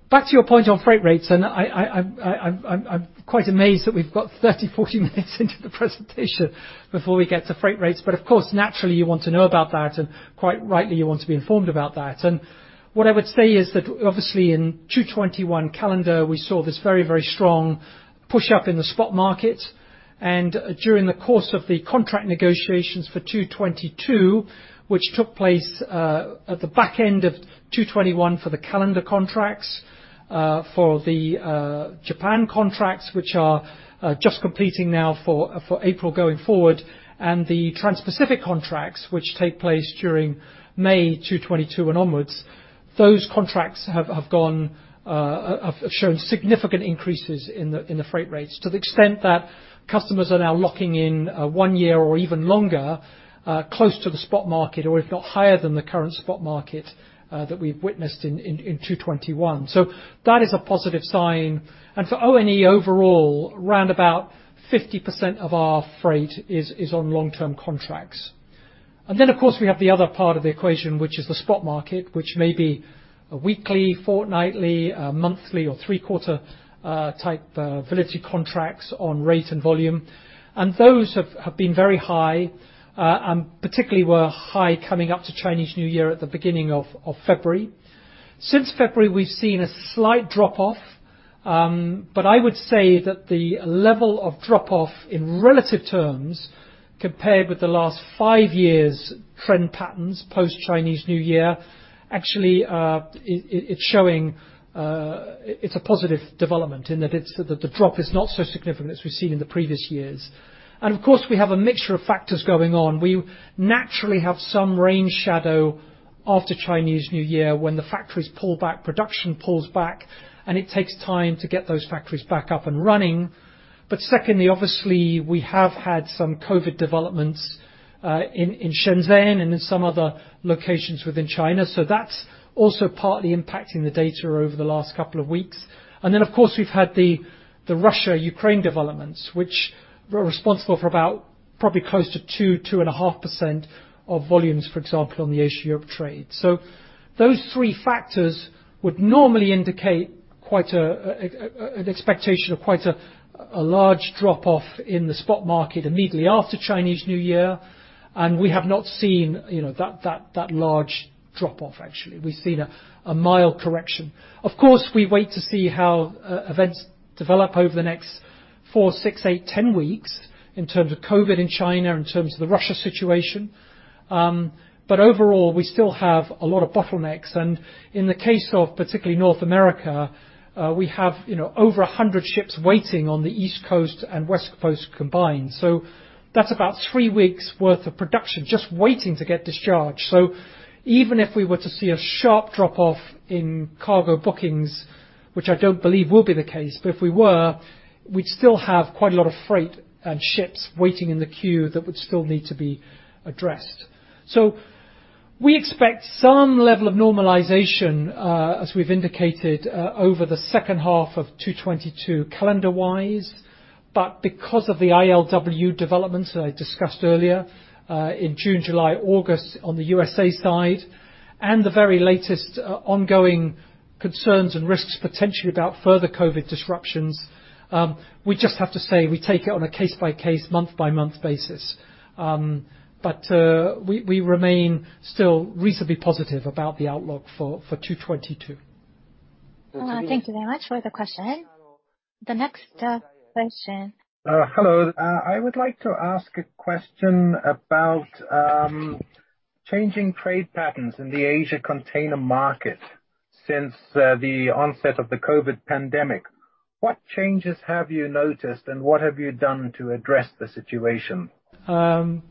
B: Back to your point on freight rates, I'm quite amazed that we've got 30, 40 minutes into the presentation before we get to freight rates. Of course, naturally you want to know about that, and quite rightly you want to be informed about that. What I would say is that obviously in 2021 calendar, we saw this very, very strong pushup in the spot market. During the course of the contract negotiations for 2022, which took place at the back end of 2021 for the calendar contracts, for the Japan contracts, which are just completing now for April going forward, and the Transpacific contracts, which take place during May 2022 and onwards, those contracts have shown significant increases in the freight rates to the extent that customers are now locking in one year or even longer, close to the spot market or if not higher than the current spot market that we've witnessed in 2021. That is a positive sign. For ONE overall, round about 50% of our freight is on long-term contracts. Of course, we have the other part of the equation, which is the spot market, which may be a weekly, fortnightly, monthly, or three-quarter type validity contracts on rate and volume. Those have been very high, and particularly were high coming up to Chinese New Year at the beginning of February. Since February, we've seen a slight drop-off, but I would say that the level of drop-off in relative terms, compared with the last five years' trend patterns post-Chinese New Year, actually, it's showing it's a positive development in that the drop is not so significant as we've seen in the previous years. Of course, we have a mixture of factors going on. We naturally have some rain shadow after Chinese New Year when the factories pull back, production pulls back, and it takes time to get those factories back up and running. Secondly, obviously, we have had some COVID developments in Shenzhen and in some other locations within China. That's also partly impacting the data over the last couple of weeks. Of course, we've had the Russia-Ukraine developments, which were responsible for about probably close to 2.5% of volumes, for example, on the Asia trade. Those three factors would normally indicate an expectation of quite a large drop-off in the spot market immediately after Chinese New Year. We have not seen that large drop-off actually. We've seen a mild correction. Of course, we wait to see how events develop over the next four, six, eight, 10 weeks in terms of COVID in China, in terms of the Russia situation. Overall, we still have a lot of bottlenecks, and in the case of particularly North America, we have over 100 ships waiting on the East Coast and West Coast combined. That's about three weeks worth of production just waiting to get discharged. Even if we were to see a sharp drop-off in cargo bookings, which I don't believe will be the case, but if we were, we'd still have quite a lot of freight and ships waiting in the queue that would still need to be addressed. We expect some level of normalization, as we've indicated, over the second half of 2022 calendar-wise. Because of the ILWU developments that I discussed earlier, in June, July, August on the U.S.A. side, and the very latest ongoing concerns and risks potentially about further COVID disruptions, we just have to say we take it on a case-by-case, month-by-month basis. We remain still reasonably positive about the outlook for 2022.
A: Thank you very much for the question. The next question.
C: Hello. I would like to ask a question about changing trade patterns in the Asia container market since the onset of the COVID pandemic. What changes have you noticed, and what have you done to address the situation?
B: The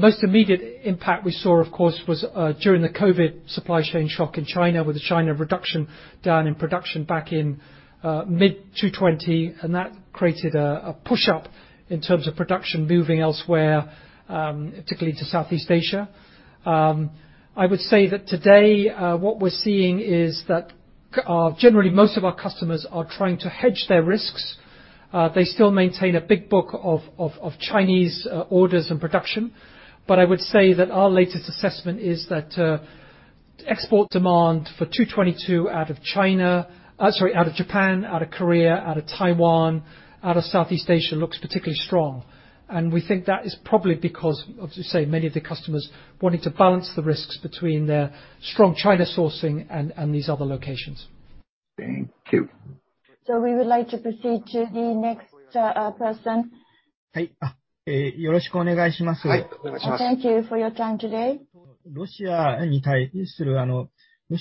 B: most immediate impact we saw, of course, was during the COVID supply chain shock in China, with China reduction down in production back in mid-2020. That created a push-up in terms of production moving elsewhere, particularly to Southeast Asia. I would say that today what we're seeing is that generally, most of our customers are trying to hedge their risks. They still maintain a big book of Chinese orders and production. I would say that our latest assessment is that export demand for 2022 out of Sorry, out of Japan, out of Korea, out of Taiwan, out of Southeast Asia looks particularly strong. We think that is probably because of, as you say, many of the customers wanting to balance the risks between their strong China sourcing and these other locations.
C: Thank you.
A: We would like to proceed to the next person. Thank you for your time today.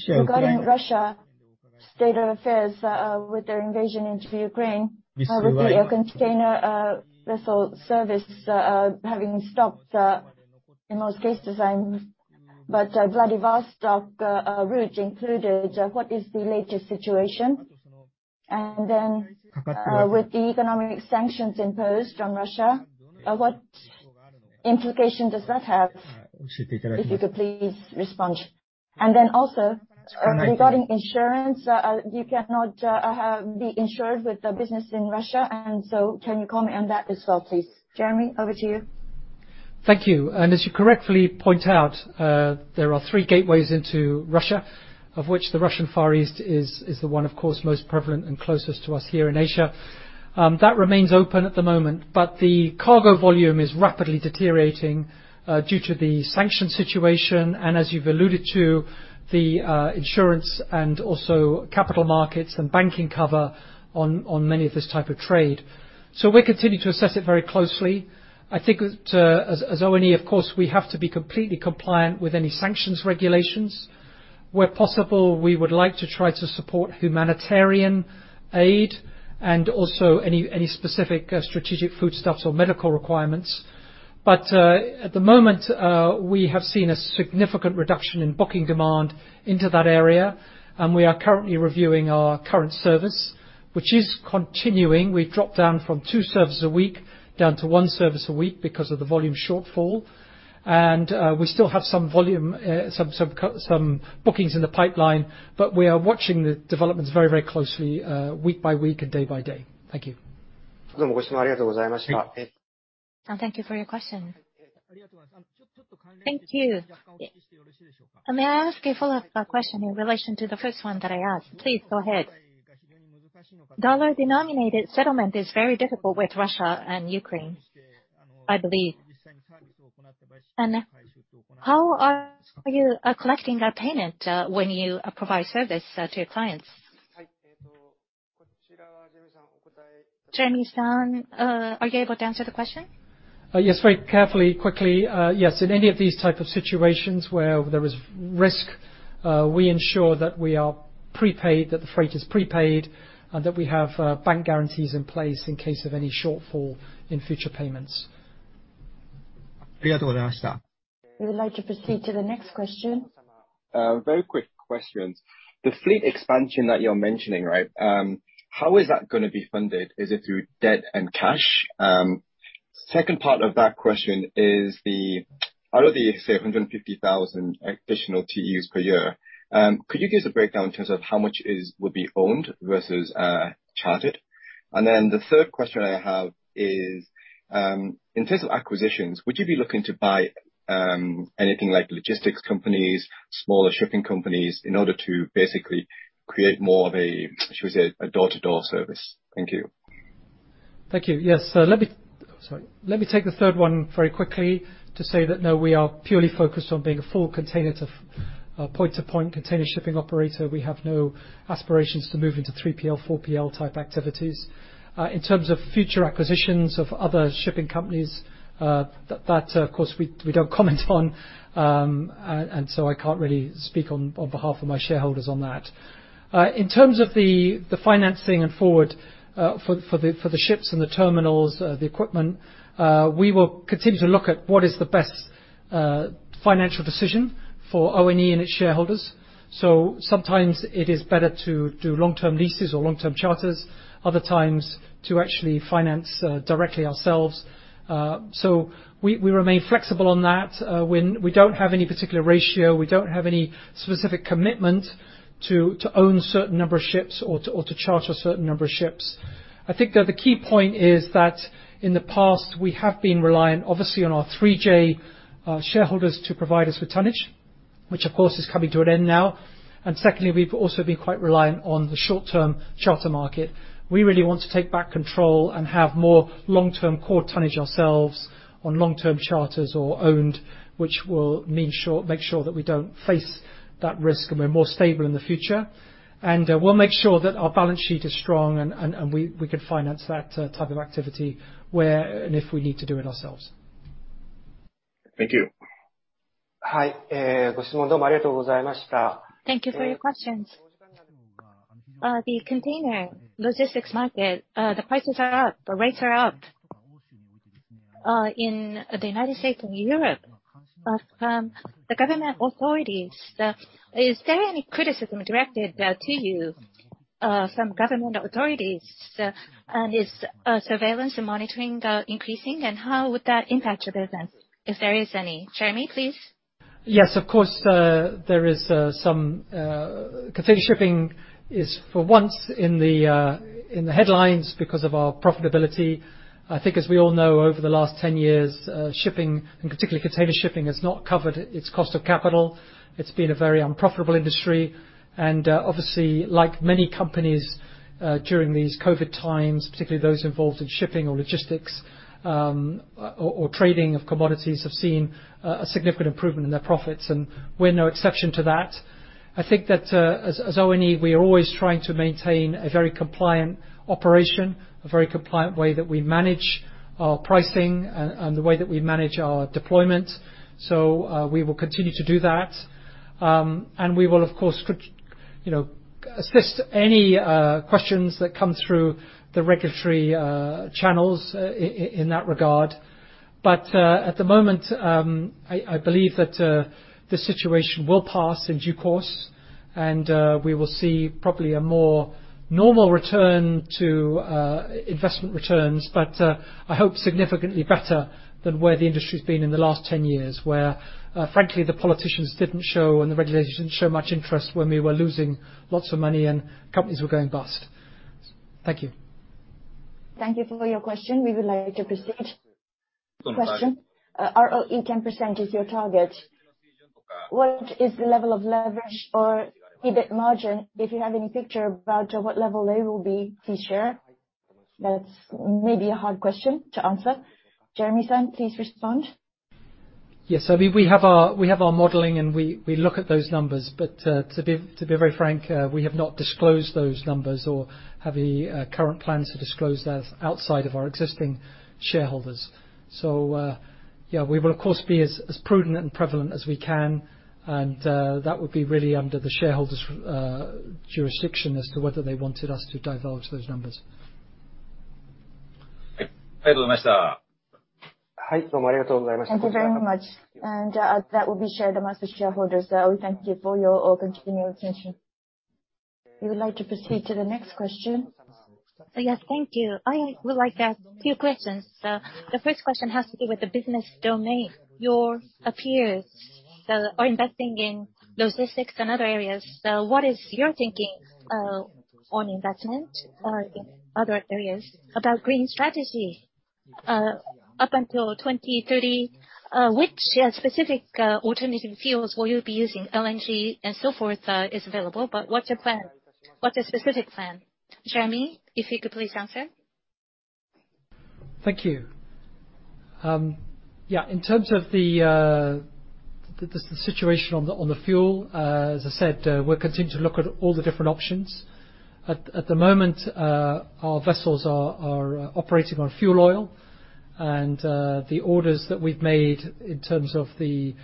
A: Regarding Russia state of affairs with their invasion into Ukraine. With the container vessel service having stopped, in most cases. Vladivostok route included. What is the latest situation? With the economic sanctions imposed on Russia, what implication does that have? If you could please respond. Also regarding insurance, you cannot be insured with a business in Russia. Can you comment on that as well, please? Jeremy, over to you.
B: Thank you. As you correctly point out, there are three gateways into Russia, of which the Russian Far East is the one, of course, most prevalent and closest to us here in Asia. That remains open at the moment, but the cargo volume is rapidly deteriorating due to the sanction situation, and as you've alluded to, the insurance and also capital markets and banking cover on many of this type of trade. We continue to assess it very closely. I think as ONE, of course, we have to be completely compliant with any sanctions regulations. Where possible, we would like to try to support humanitarian aid and also any specific strategic foodstuffs or medical requirements. At the moment, we have seen a significant reduction in booking demand into that area, and we are currently reviewing our current service, which is continuing. We've dropped down from two services a week down to one service a week because of the volume shortfall. We still have some bookings in the pipeline, but we are watching the developments very closely, week by week and day by day. Thank you.
A: Thank you for your question. Thank you. May I ask a follow-up question in relation to the first one that I asked? Please go ahead. Dollar-denominated settlement is very difficult with Russia and Ukraine, I believe. How are you collecting payment when you provide service to your clients? Jeremy-san, are you able to answer the question?
B: Yes. Very carefully, quickly. Yes. In any of these type of situations where there is risk, we ensure that the freight is prepaid, and that we have bank guarantees in place in case of any shortfall in future payments.
A: We would like to proceed to the next question.
C: Very quick questions. The fleet expansion that you're mentioning, how is that going to be funded? Is it through debt and cash? Second part of that question is out of the, say, 150,000 additional TEUs per year, could you give us a breakdown in terms of how much would be owned versus chartered? The third question I have is, in terms of acquisitions, would you be looking to buy anything like logistics companies, smaller shipping companies, in order to basically create more of a, should we say, a door-to-door service? Thank you.
B: Thank you. Yes. Let me take the third one very quickly to say that, no, we are purely focused on being a full point-to-point container shipping operator. We have no aspirations to move into 3PL, 4PL type activities. In terms of future acquisitions of other shipping companies, that of course, we don't comment on. I can't really speak on behalf of my shareholders on that. In terms of the financing and forward for the ships and the terminals, the equipment, we will continue to look at what is the best financial decision for ONE and its shareholders. Sometimes it is better to do long-term leases or long-term charters, other times to actually finance directly ourselves. We remain flexible on that. We don't have any particular ratio, we don't have any specific commitment to own a certain number of ships or to charter a certain number of ships. I think that the key point is that in the past, we have been reliant, obviously on our 3J shareholders to provide us with tonnage, which of course is coming to an end now. Secondly, we've also been quite reliant on the short-term charter market. We really want to take back control and have more long-term core tonnage ourselves on long-term charters or owned, which will make sure that we don't face that risk and we're more stable in the future. We'll make sure that our balance sheet is strong and we could finance that type of activity where and if we need to do it ourselves.
C: Thank you.
A: Thank you for your questions. The container logistics market, the prices are up, the rates are up in the U.S. and Europe. Is there any criticism directed to you from government authorities? Is surveillance and monitoring increasing, and how would that impact your business if there is any? Jeremy, please.
B: Yes, of course, there is some. Container shipping is for once in the headlines because of our profitability. I think as we all know, over the last 10 years, shipping, and particularly container shipping, has not covered its cost of capital. It's been a very unprofitable industry. Obviously, like many companies during these COVID-19 times, particularly those involved in shipping or logistics or trading of commodities, have seen a significant improvement in their profits. We're no exception to that. I think that as ONE, we are always trying to maintain a very compliant operation, a very compliant way that we manage our pricing and the way that we manage our deployment. We will continue to do that. We will, of course, assist any questions that come through the regulatory channels in that regard. At the moment, I believe that the situation will pass in due course and we will see probably a more normal return to investment returns, but I hope significantly better than where the industry's been in the last 10 years, where frankly, the politicians didn't show and the regulators didn't show much interest when we were losing lots of money and companies were going bust. Thank you.
A: Thank you for your question. We would like to proceed. Question. ROE 10% is your target. What is the level of leverage or EBIT margin? If you have any picture about what level they will be this year? That's maybe a hard question to answer. Jeremy-san, please respond.
B: Yes. We have our modeling, and we look at those numbers. To be very frank, we have not disclosed those numbers or have any current plans to disclose that outside of our existing shareholders. Yeah, we will, of course, be as prudent and prevalent as we can. That would be really under the shareholders' jurisdiction as to whether they wanted us to divulge those numbers.
A: Thank you very much. That will be shared amongst the shareholders. We thank you for your continued attention. We would like to proceed to the next question. Yes. Thank you. I would like to ask a few questions. The first question has to do with the business domain. Your peers are investing in logistics and other areas. What is your thinking on investment in other areas? About green strategy Up until 2030, which specific alternative fuels will you be using? LNG and so forth is available, but what's your plan? What's your specific plan? Jeremy, if you could please answer.
B: Thank you. Yeah, in terms of the situation on the fuel, as I said, we're continuing to look at all the different options. At the moment, our vessels are operating on fuel oil and the orders that we've made in terms of the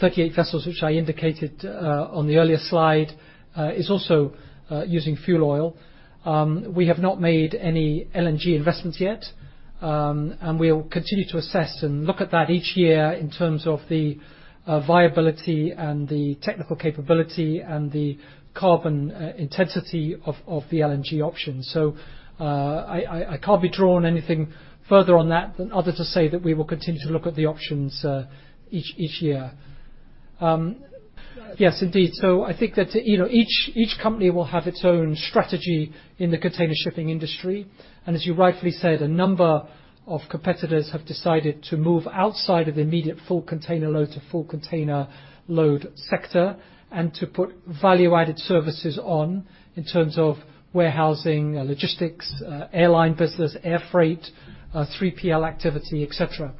B: 38 vessels, which I indicated on the earlier slide, is also using fuel oil. We have not made any LNG investments yet. We'll continue to assess and look at that each year in terms of the viability and the technical capability and the carbon intensity of the LNG options. I can't be drawn anything further on that than other to say that we will continue to look at the options each year. Yes, indeed. I think that each company will have its own strategy in the container shipping industry. As you rightfully said, a number of competitors have decided to move outside of the immediate full container load to full container load sector, and to put value-added services on in terms of warehousing, logistics, airline business, air freight, 3PL activity, et cetera.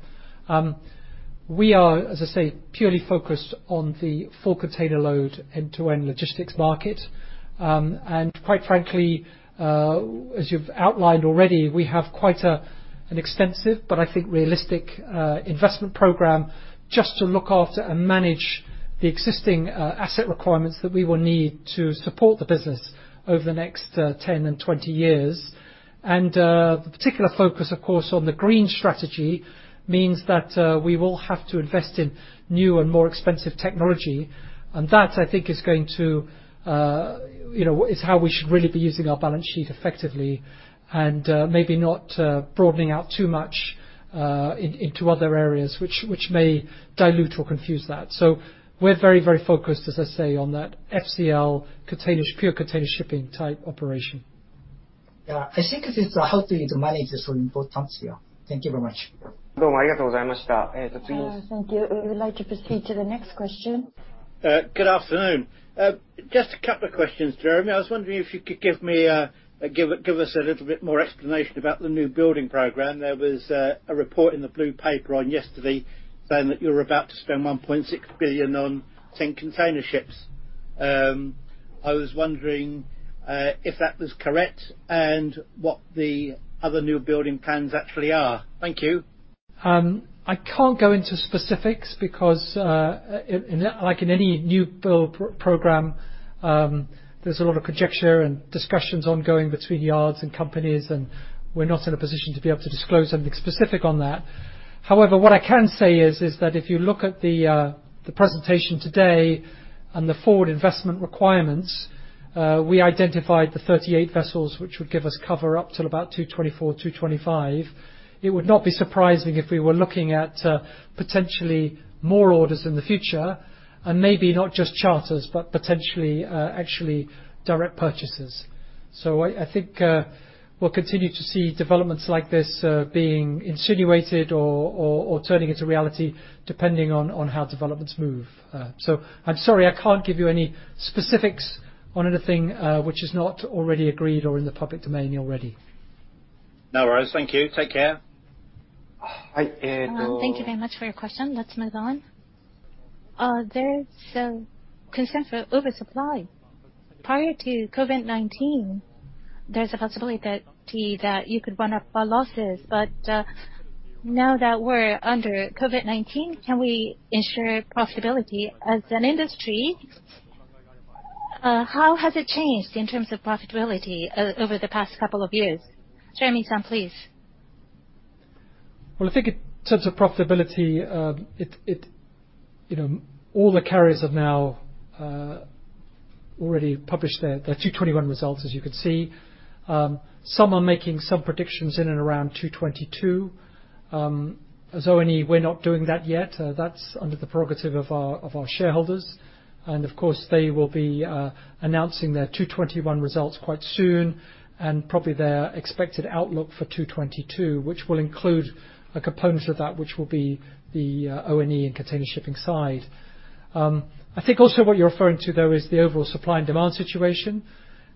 B: We are, as I said, purely focused on the full container load end-to-end logistics market. Quite frankly, as you've outlined already, we have quite an extensive, but I think realistic, investment program just to look after and manage the existing asset requirements that we will need to support the business over the next 10 and 20 years. The particular focus, of course, on the green strategy means that we will have to invest in new and more expensive technology. That, I think, is how we should really be using our balance sheet effectively and maybe not broadening out too much into other areas which may dilute or confuse that. We're very, very focused, as I say, on that FCL pure container shipping type operation.
A: Yeah. I think it is how to manage this importance here. Thank you very much. Thank you. We would like to proceed to the next question.
C: Good afternoon. Just a couple of questions, Jeremy. I was wondering if you could give us a little bit more explanation about the new building program. There was a report in The Blue Paper yesterday saying that you're about to spend 1.6 billion on 10 container ships. I was wondering if that was correct and what the other new building plans actually are. Thank you.
B: I can't go into specifics because, like in any new build program, there's a lot of conjecture and discussions ongoing between yards and companies, and we're not in a position to be able to disclose something specific on that. However, what I can say is that if you look at the presentation today and the forward investment requirements, we identified the 38 vessels, which would give us cover up till about 2024, 2025. It would not be surprising if we were looking at potentially more orders in the future, and maybe not just charters, but potentially actually direct purchases. I think we'll continue to see developments like this being insinuated or turning into reality, depending on how developments move. I'm sorry, I can't give you any specifics on anything which is not already agreed or in the public domain already.
C: No worries. Thank you. Take care.
A: Thank you very much for your question. Let's move on. There's some concern for oversupply. Prior to COVID-19, there's a possibility that you could run up losses. Now that we're under COVID-19, can we ensure profitability as an industry? How has it changed in terms of profitability over the past couple of years? Jeremy, please.
B: Well, I think in terms of profitability, all the carriers have now already published their 2021 results, as you can see. Some are making some predictions in and around 2022. As ONE, we're not doing that yet. That's under the prerogative of our shareholders. Of course, they will be announcing their 2021 results quite soon, and probably their expected outlook for 2022, which will include a component of that which will be the ONE and container shipping side. I think also what you're referring to, though, is the overall supply and demand situation.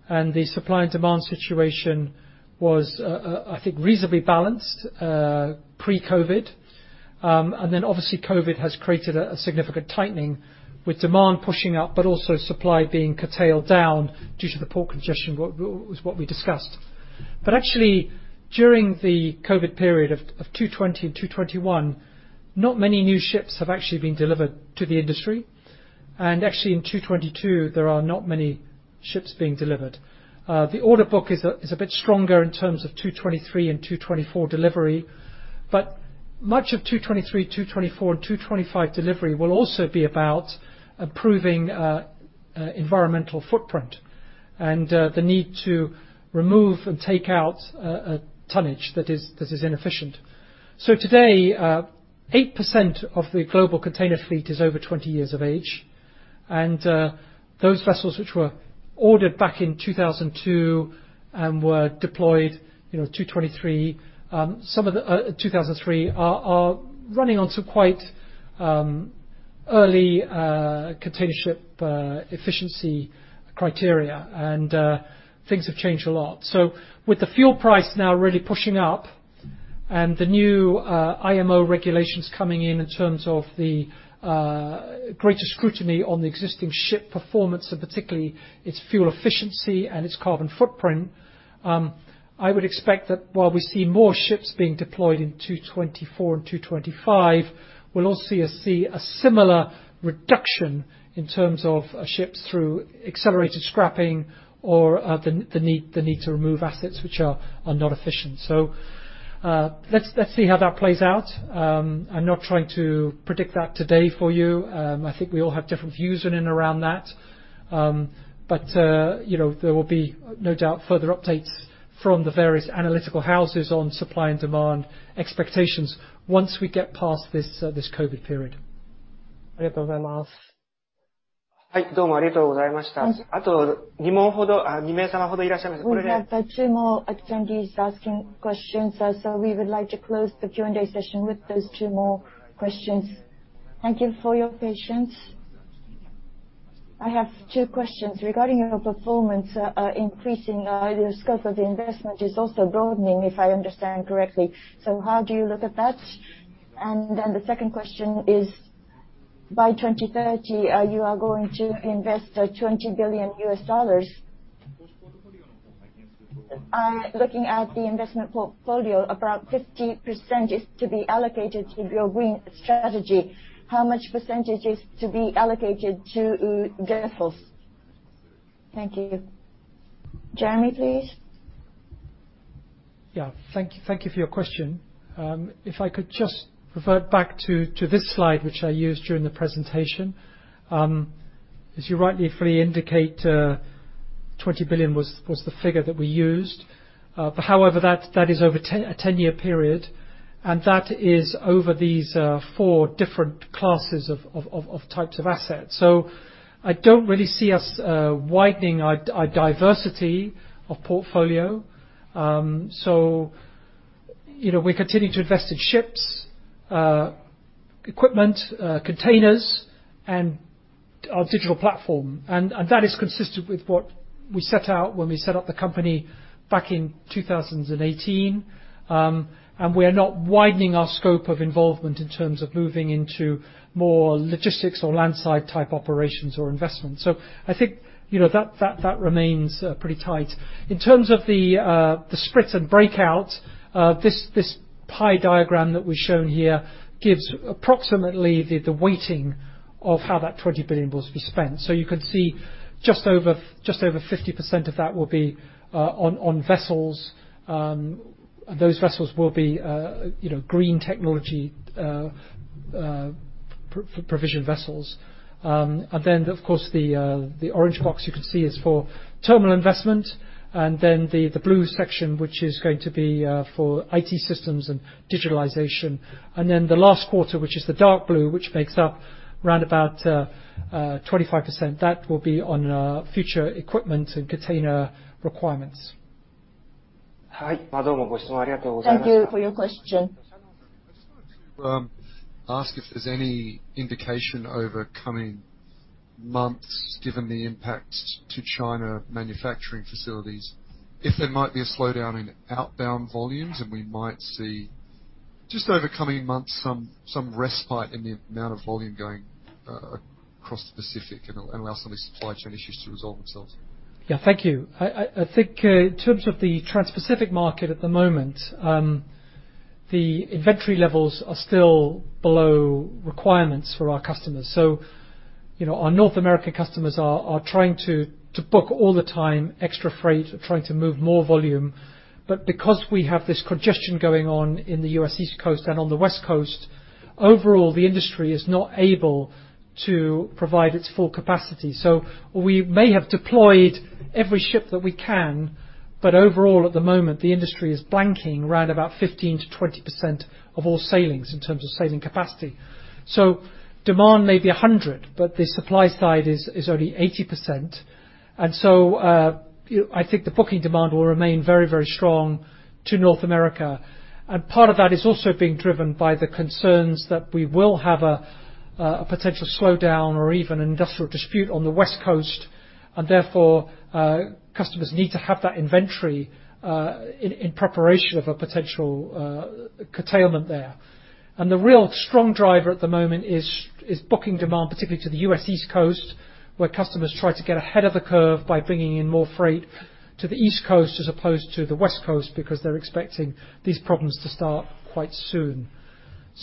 B: The supply and demand situation was, I think, reasonably balanced pre-COVID. Then obviously COVID has created a significant tightening with demand pushing up, but also supply being curtailed down due to the port congestion, was what we discussed. Actually, during the COVID period of 2020 and 2021, not many new ships have actually been delivered to the industry. Actually, in 2022, there are not many ships being delivered. The order book is a bit stronger in terms of 2023 and 2024 delivery, but much of 2023, 2024, and 2025 delivery will also be about improving environmental footprint and the need to remove and take out tonnage that is inefficient. Today, 8% of the global container fleet is over 20 years of age. Those vessels which were ordered back in 2002 and were deployed in 2023 are running on some quite early container ship efficiency criteria, and things have changed a lot. With the fuel price now really pushing up and the new IMO regulations coming in terms of the greater scrutiny on the existing ship performance, and particularly its fuel efficiency and its carbon footprint. I would expect that while we see more ships being deployed in 2024 and 2025, we'll also see a similar reduction in terms of ships through accelerated scrapping or the need to remove assets which are not efficient. Let's see how that plays out. I'm not trying to predict that today for you. I think we all have different views in and around that. There will be no doubt, further updates from the various analytical houses on supply and demand expectations once we get past this COVID period.
A: We have two more attendees asking questions. We would like to close the Q&A session with those two more questions. Thank you for your patience. I have two questions. Regarding your performance increasing, the scope of the investment is also broadening, if I understand correctly. How do you look at that? The second question is, by 2030, you are going to invest $20 billion US. Looking at the investment portfolio, about 50% is to be allocated to your green strategy. How much percentage is to be allocated to vessels? Thank you. Jeremy, please.
B: Thank you for your question. If I could just revert back to this slide, which I used during the presentation. As you rightly indicate, 20 billion was the figure that we used. However, that is over a 10-year period, and that is over these 4 different classes of types of assets. I don't really see us widening our diversity of portfolio. We continue to invest in ships, equipment, containers and our digital platform. That is consistent with what we set out when we set up the company back in 2018. We are not widening our scope of involvement in terms of moving into more logistics or land side type operations or investments. I think that remains pretty tight. In terms of the split and breakout, this pie diagram that we've shown here gives approximately the weighting of how that 20 billion will be spent. You can see just over 50% of that will be on vessels. Those vessels will be green technology provision vessels. Of course, the orange box you can see is for terminal investment and the blue section, which is going to be for IT systems and digitalization. The last quarter, which is the dark blue, which makes up round about 25%. That will be on future equipment and container requirements.
A: Thank you for your question.
C: I just wanted to ask if there's any indication over coming months, given the impacts to China manufacturing facilities, if there might be a slowdown in outbound volumes and we might see just over coming months, some respite in the amount of volume going across the Pacific and allow some of these supply chain issues to resolve themselves.
B: Yeah. Thank you. I think in terms of the transpacific market at the moment, the inventory levels are still below requirements for our customers. Our North American customers are trying to book all the time extra freight, trying to move more volume. Because we have this congestion going on in the U.S. East Coast and on the West Coast, overall, the industry is not able to provide its full capacity. We may have deployed every ship that we can, but overall, at the moment, the industry is blanking round about 15%-20% of all sailings in terms of sailing capacity. Demand may be 100, but the supply side is only 80%. I think the booking demand will remain very strong to North America. Part of that is also being driven by the concerns that we will have a potential slowdown or even industrial dispute on the West Coast, and therefore, customers need to have that inventory in preparation of a potential curtailment there. The real strong driver at the moment is booking demand, particularly to the U.S. East Coast, where customers try to get ahead of the curve by bringing in more freight to the East Coast as opposed to the West Coast, because they're expecting these problems to start quite soon.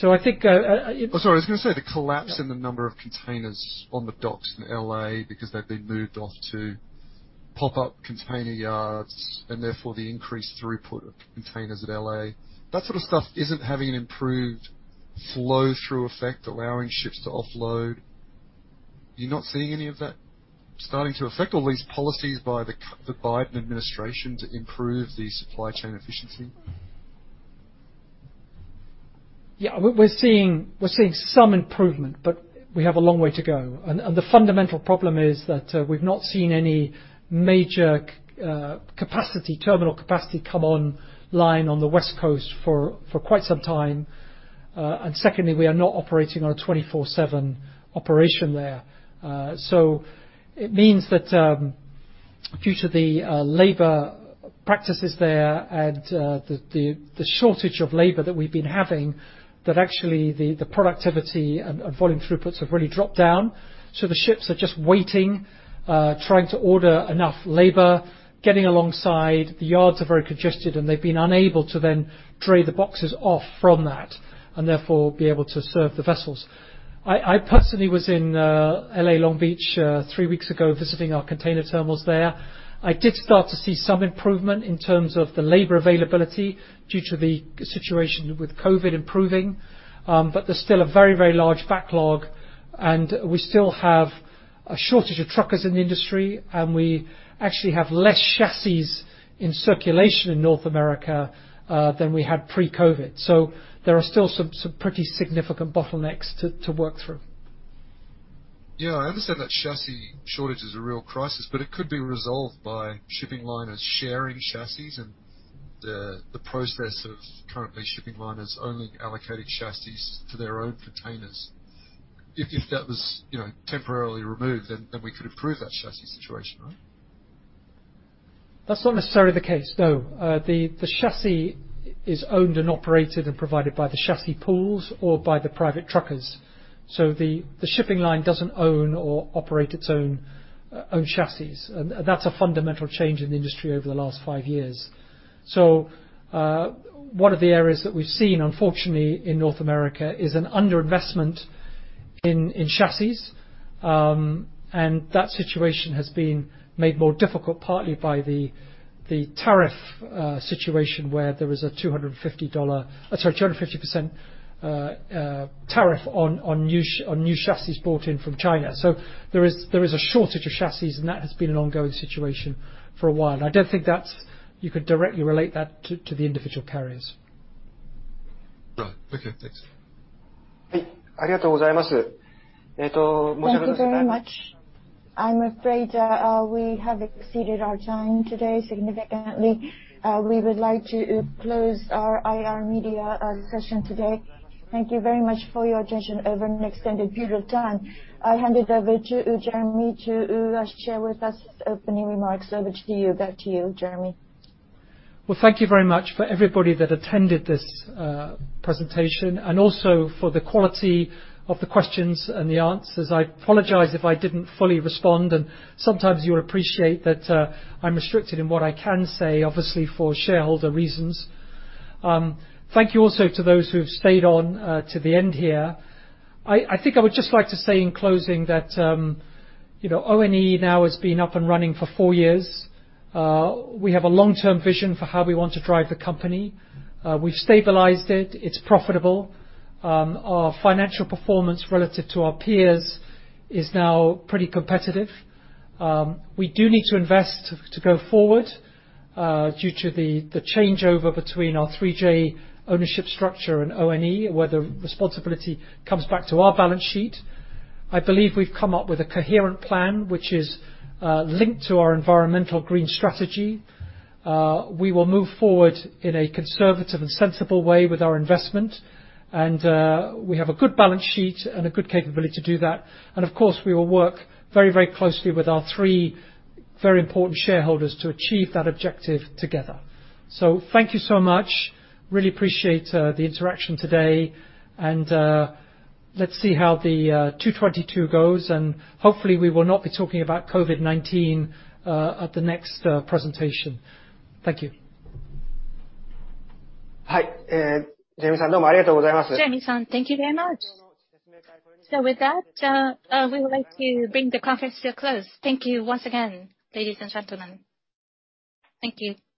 C: Oh, sorry. I was going to say, the collapse in the number of containers on the docks in L.A. because they've been moved off to pop-up container yards and therefore the increased throughput of containers at L.A. That sort of stuff isn't having an improved flow through effect, allowing ships to offload. You're not seeing any of that starting to affect all these policies by the Biden administration to improve the supply chain efficiency?
B: Yeah. We're seeing some improvement, but we have a long way to go. The fundamental problem is that we've not seen any major terminal capacity come online on the West Coast for quite some time. Secondly, we are not operating on a 24/7 operation there. It means that due to the labor practices there and the shortage of labor that we've been having, that actually the productivity and volume throughputs have really dropped down. The ships are just waiting, trying to order enough labor, getting alongside. The yards are very congested, and they've been unable to then trade the boxes off from that, and therefore be able to serve the vessels. I personally was in L.A. Long Beach three weeks ago visiting our container terminals there. I did start to see some improvement in terms of the labor availability due to the situation with COVID improving. There's still a very, very large backlog, and we still have a shortage of truckers in the industry, and we actually have less chassis in circulation in North America than we had pre-COVID-19. There are still some pretty significant bottlenecks to work through.
C: Yeah. I understand that chassis shortage is a real crisis, but it could be resolved by shipping liners sharing chassis and the process of currently shipping liners only allocating chassis to their own containers. If that was temporarily removed, then we could improve that chassis situation, right?
B: That's not necessarily the case, no. The chassis is owned and operated and provided by the chassis pools or by the private truckers. The shipping line doesn't own or operate its own chassis. That's a fundamental change in the industry over the last five years. One of the areas that we've seen, unfortunately, in North America is an underinvestment in chassis. That situation has been made more difficult partly by the tariff situation where there was a 250% tariff on new chassis bought in from China. There is a shortage of chassis, and that has been an ongoing situation for a while now. I don't think that you could directly relate that to the individual carriers.
C: Right. Okay, thanks.
A: Thank you very much. I'm afraid we have exceeded our time today significantly. We would like to close our IR media session today. Thank you very much for your attention over an extended period of time. I hand it over to Jeremy to share with us opening remarks. Over to you. Back to you, Jeremy.
B: Well, thank you very much for everybody that attended this presentation. Also for the quality of the questions and the answers. I apologize if I didn't fully respond. Sometimes you'll appreciate that I'm restricted in what I can say, obviously, for shareholder reasons. Thank you also to those who have stayed on to the end here. I think I would just like to say in closing that ONE now has been up and running for four years. We have a long-term vision for how we want to drive the company. We've stabilized it. It's profitable. Our financial performance relative to our peers is now pretty competitive. We do need to invest to go forward due to the changeover between our 3J ownership structure and ONE, where the responsibility comes back to our balance sheet. I believe we've come up with a coherent plan, which is linked to our environmental green strategy. We will move forward in a conservative and sensible way with our investment. We have a good balance sheet and a good capability to do that. Of course, we will work very, very closely with our three very important shareholders to achieve that objective together. Thank you so much. Really appreciate the interaction today. Let's see how the 2022 goes, hopefully we will not be talking about COVID-19 at the next presentation. Thank you.
A: Jeremy-san, thank you very much. With that, we would like to bring the conference to a close. Thank you once again, ladies and gentlemen. Thank you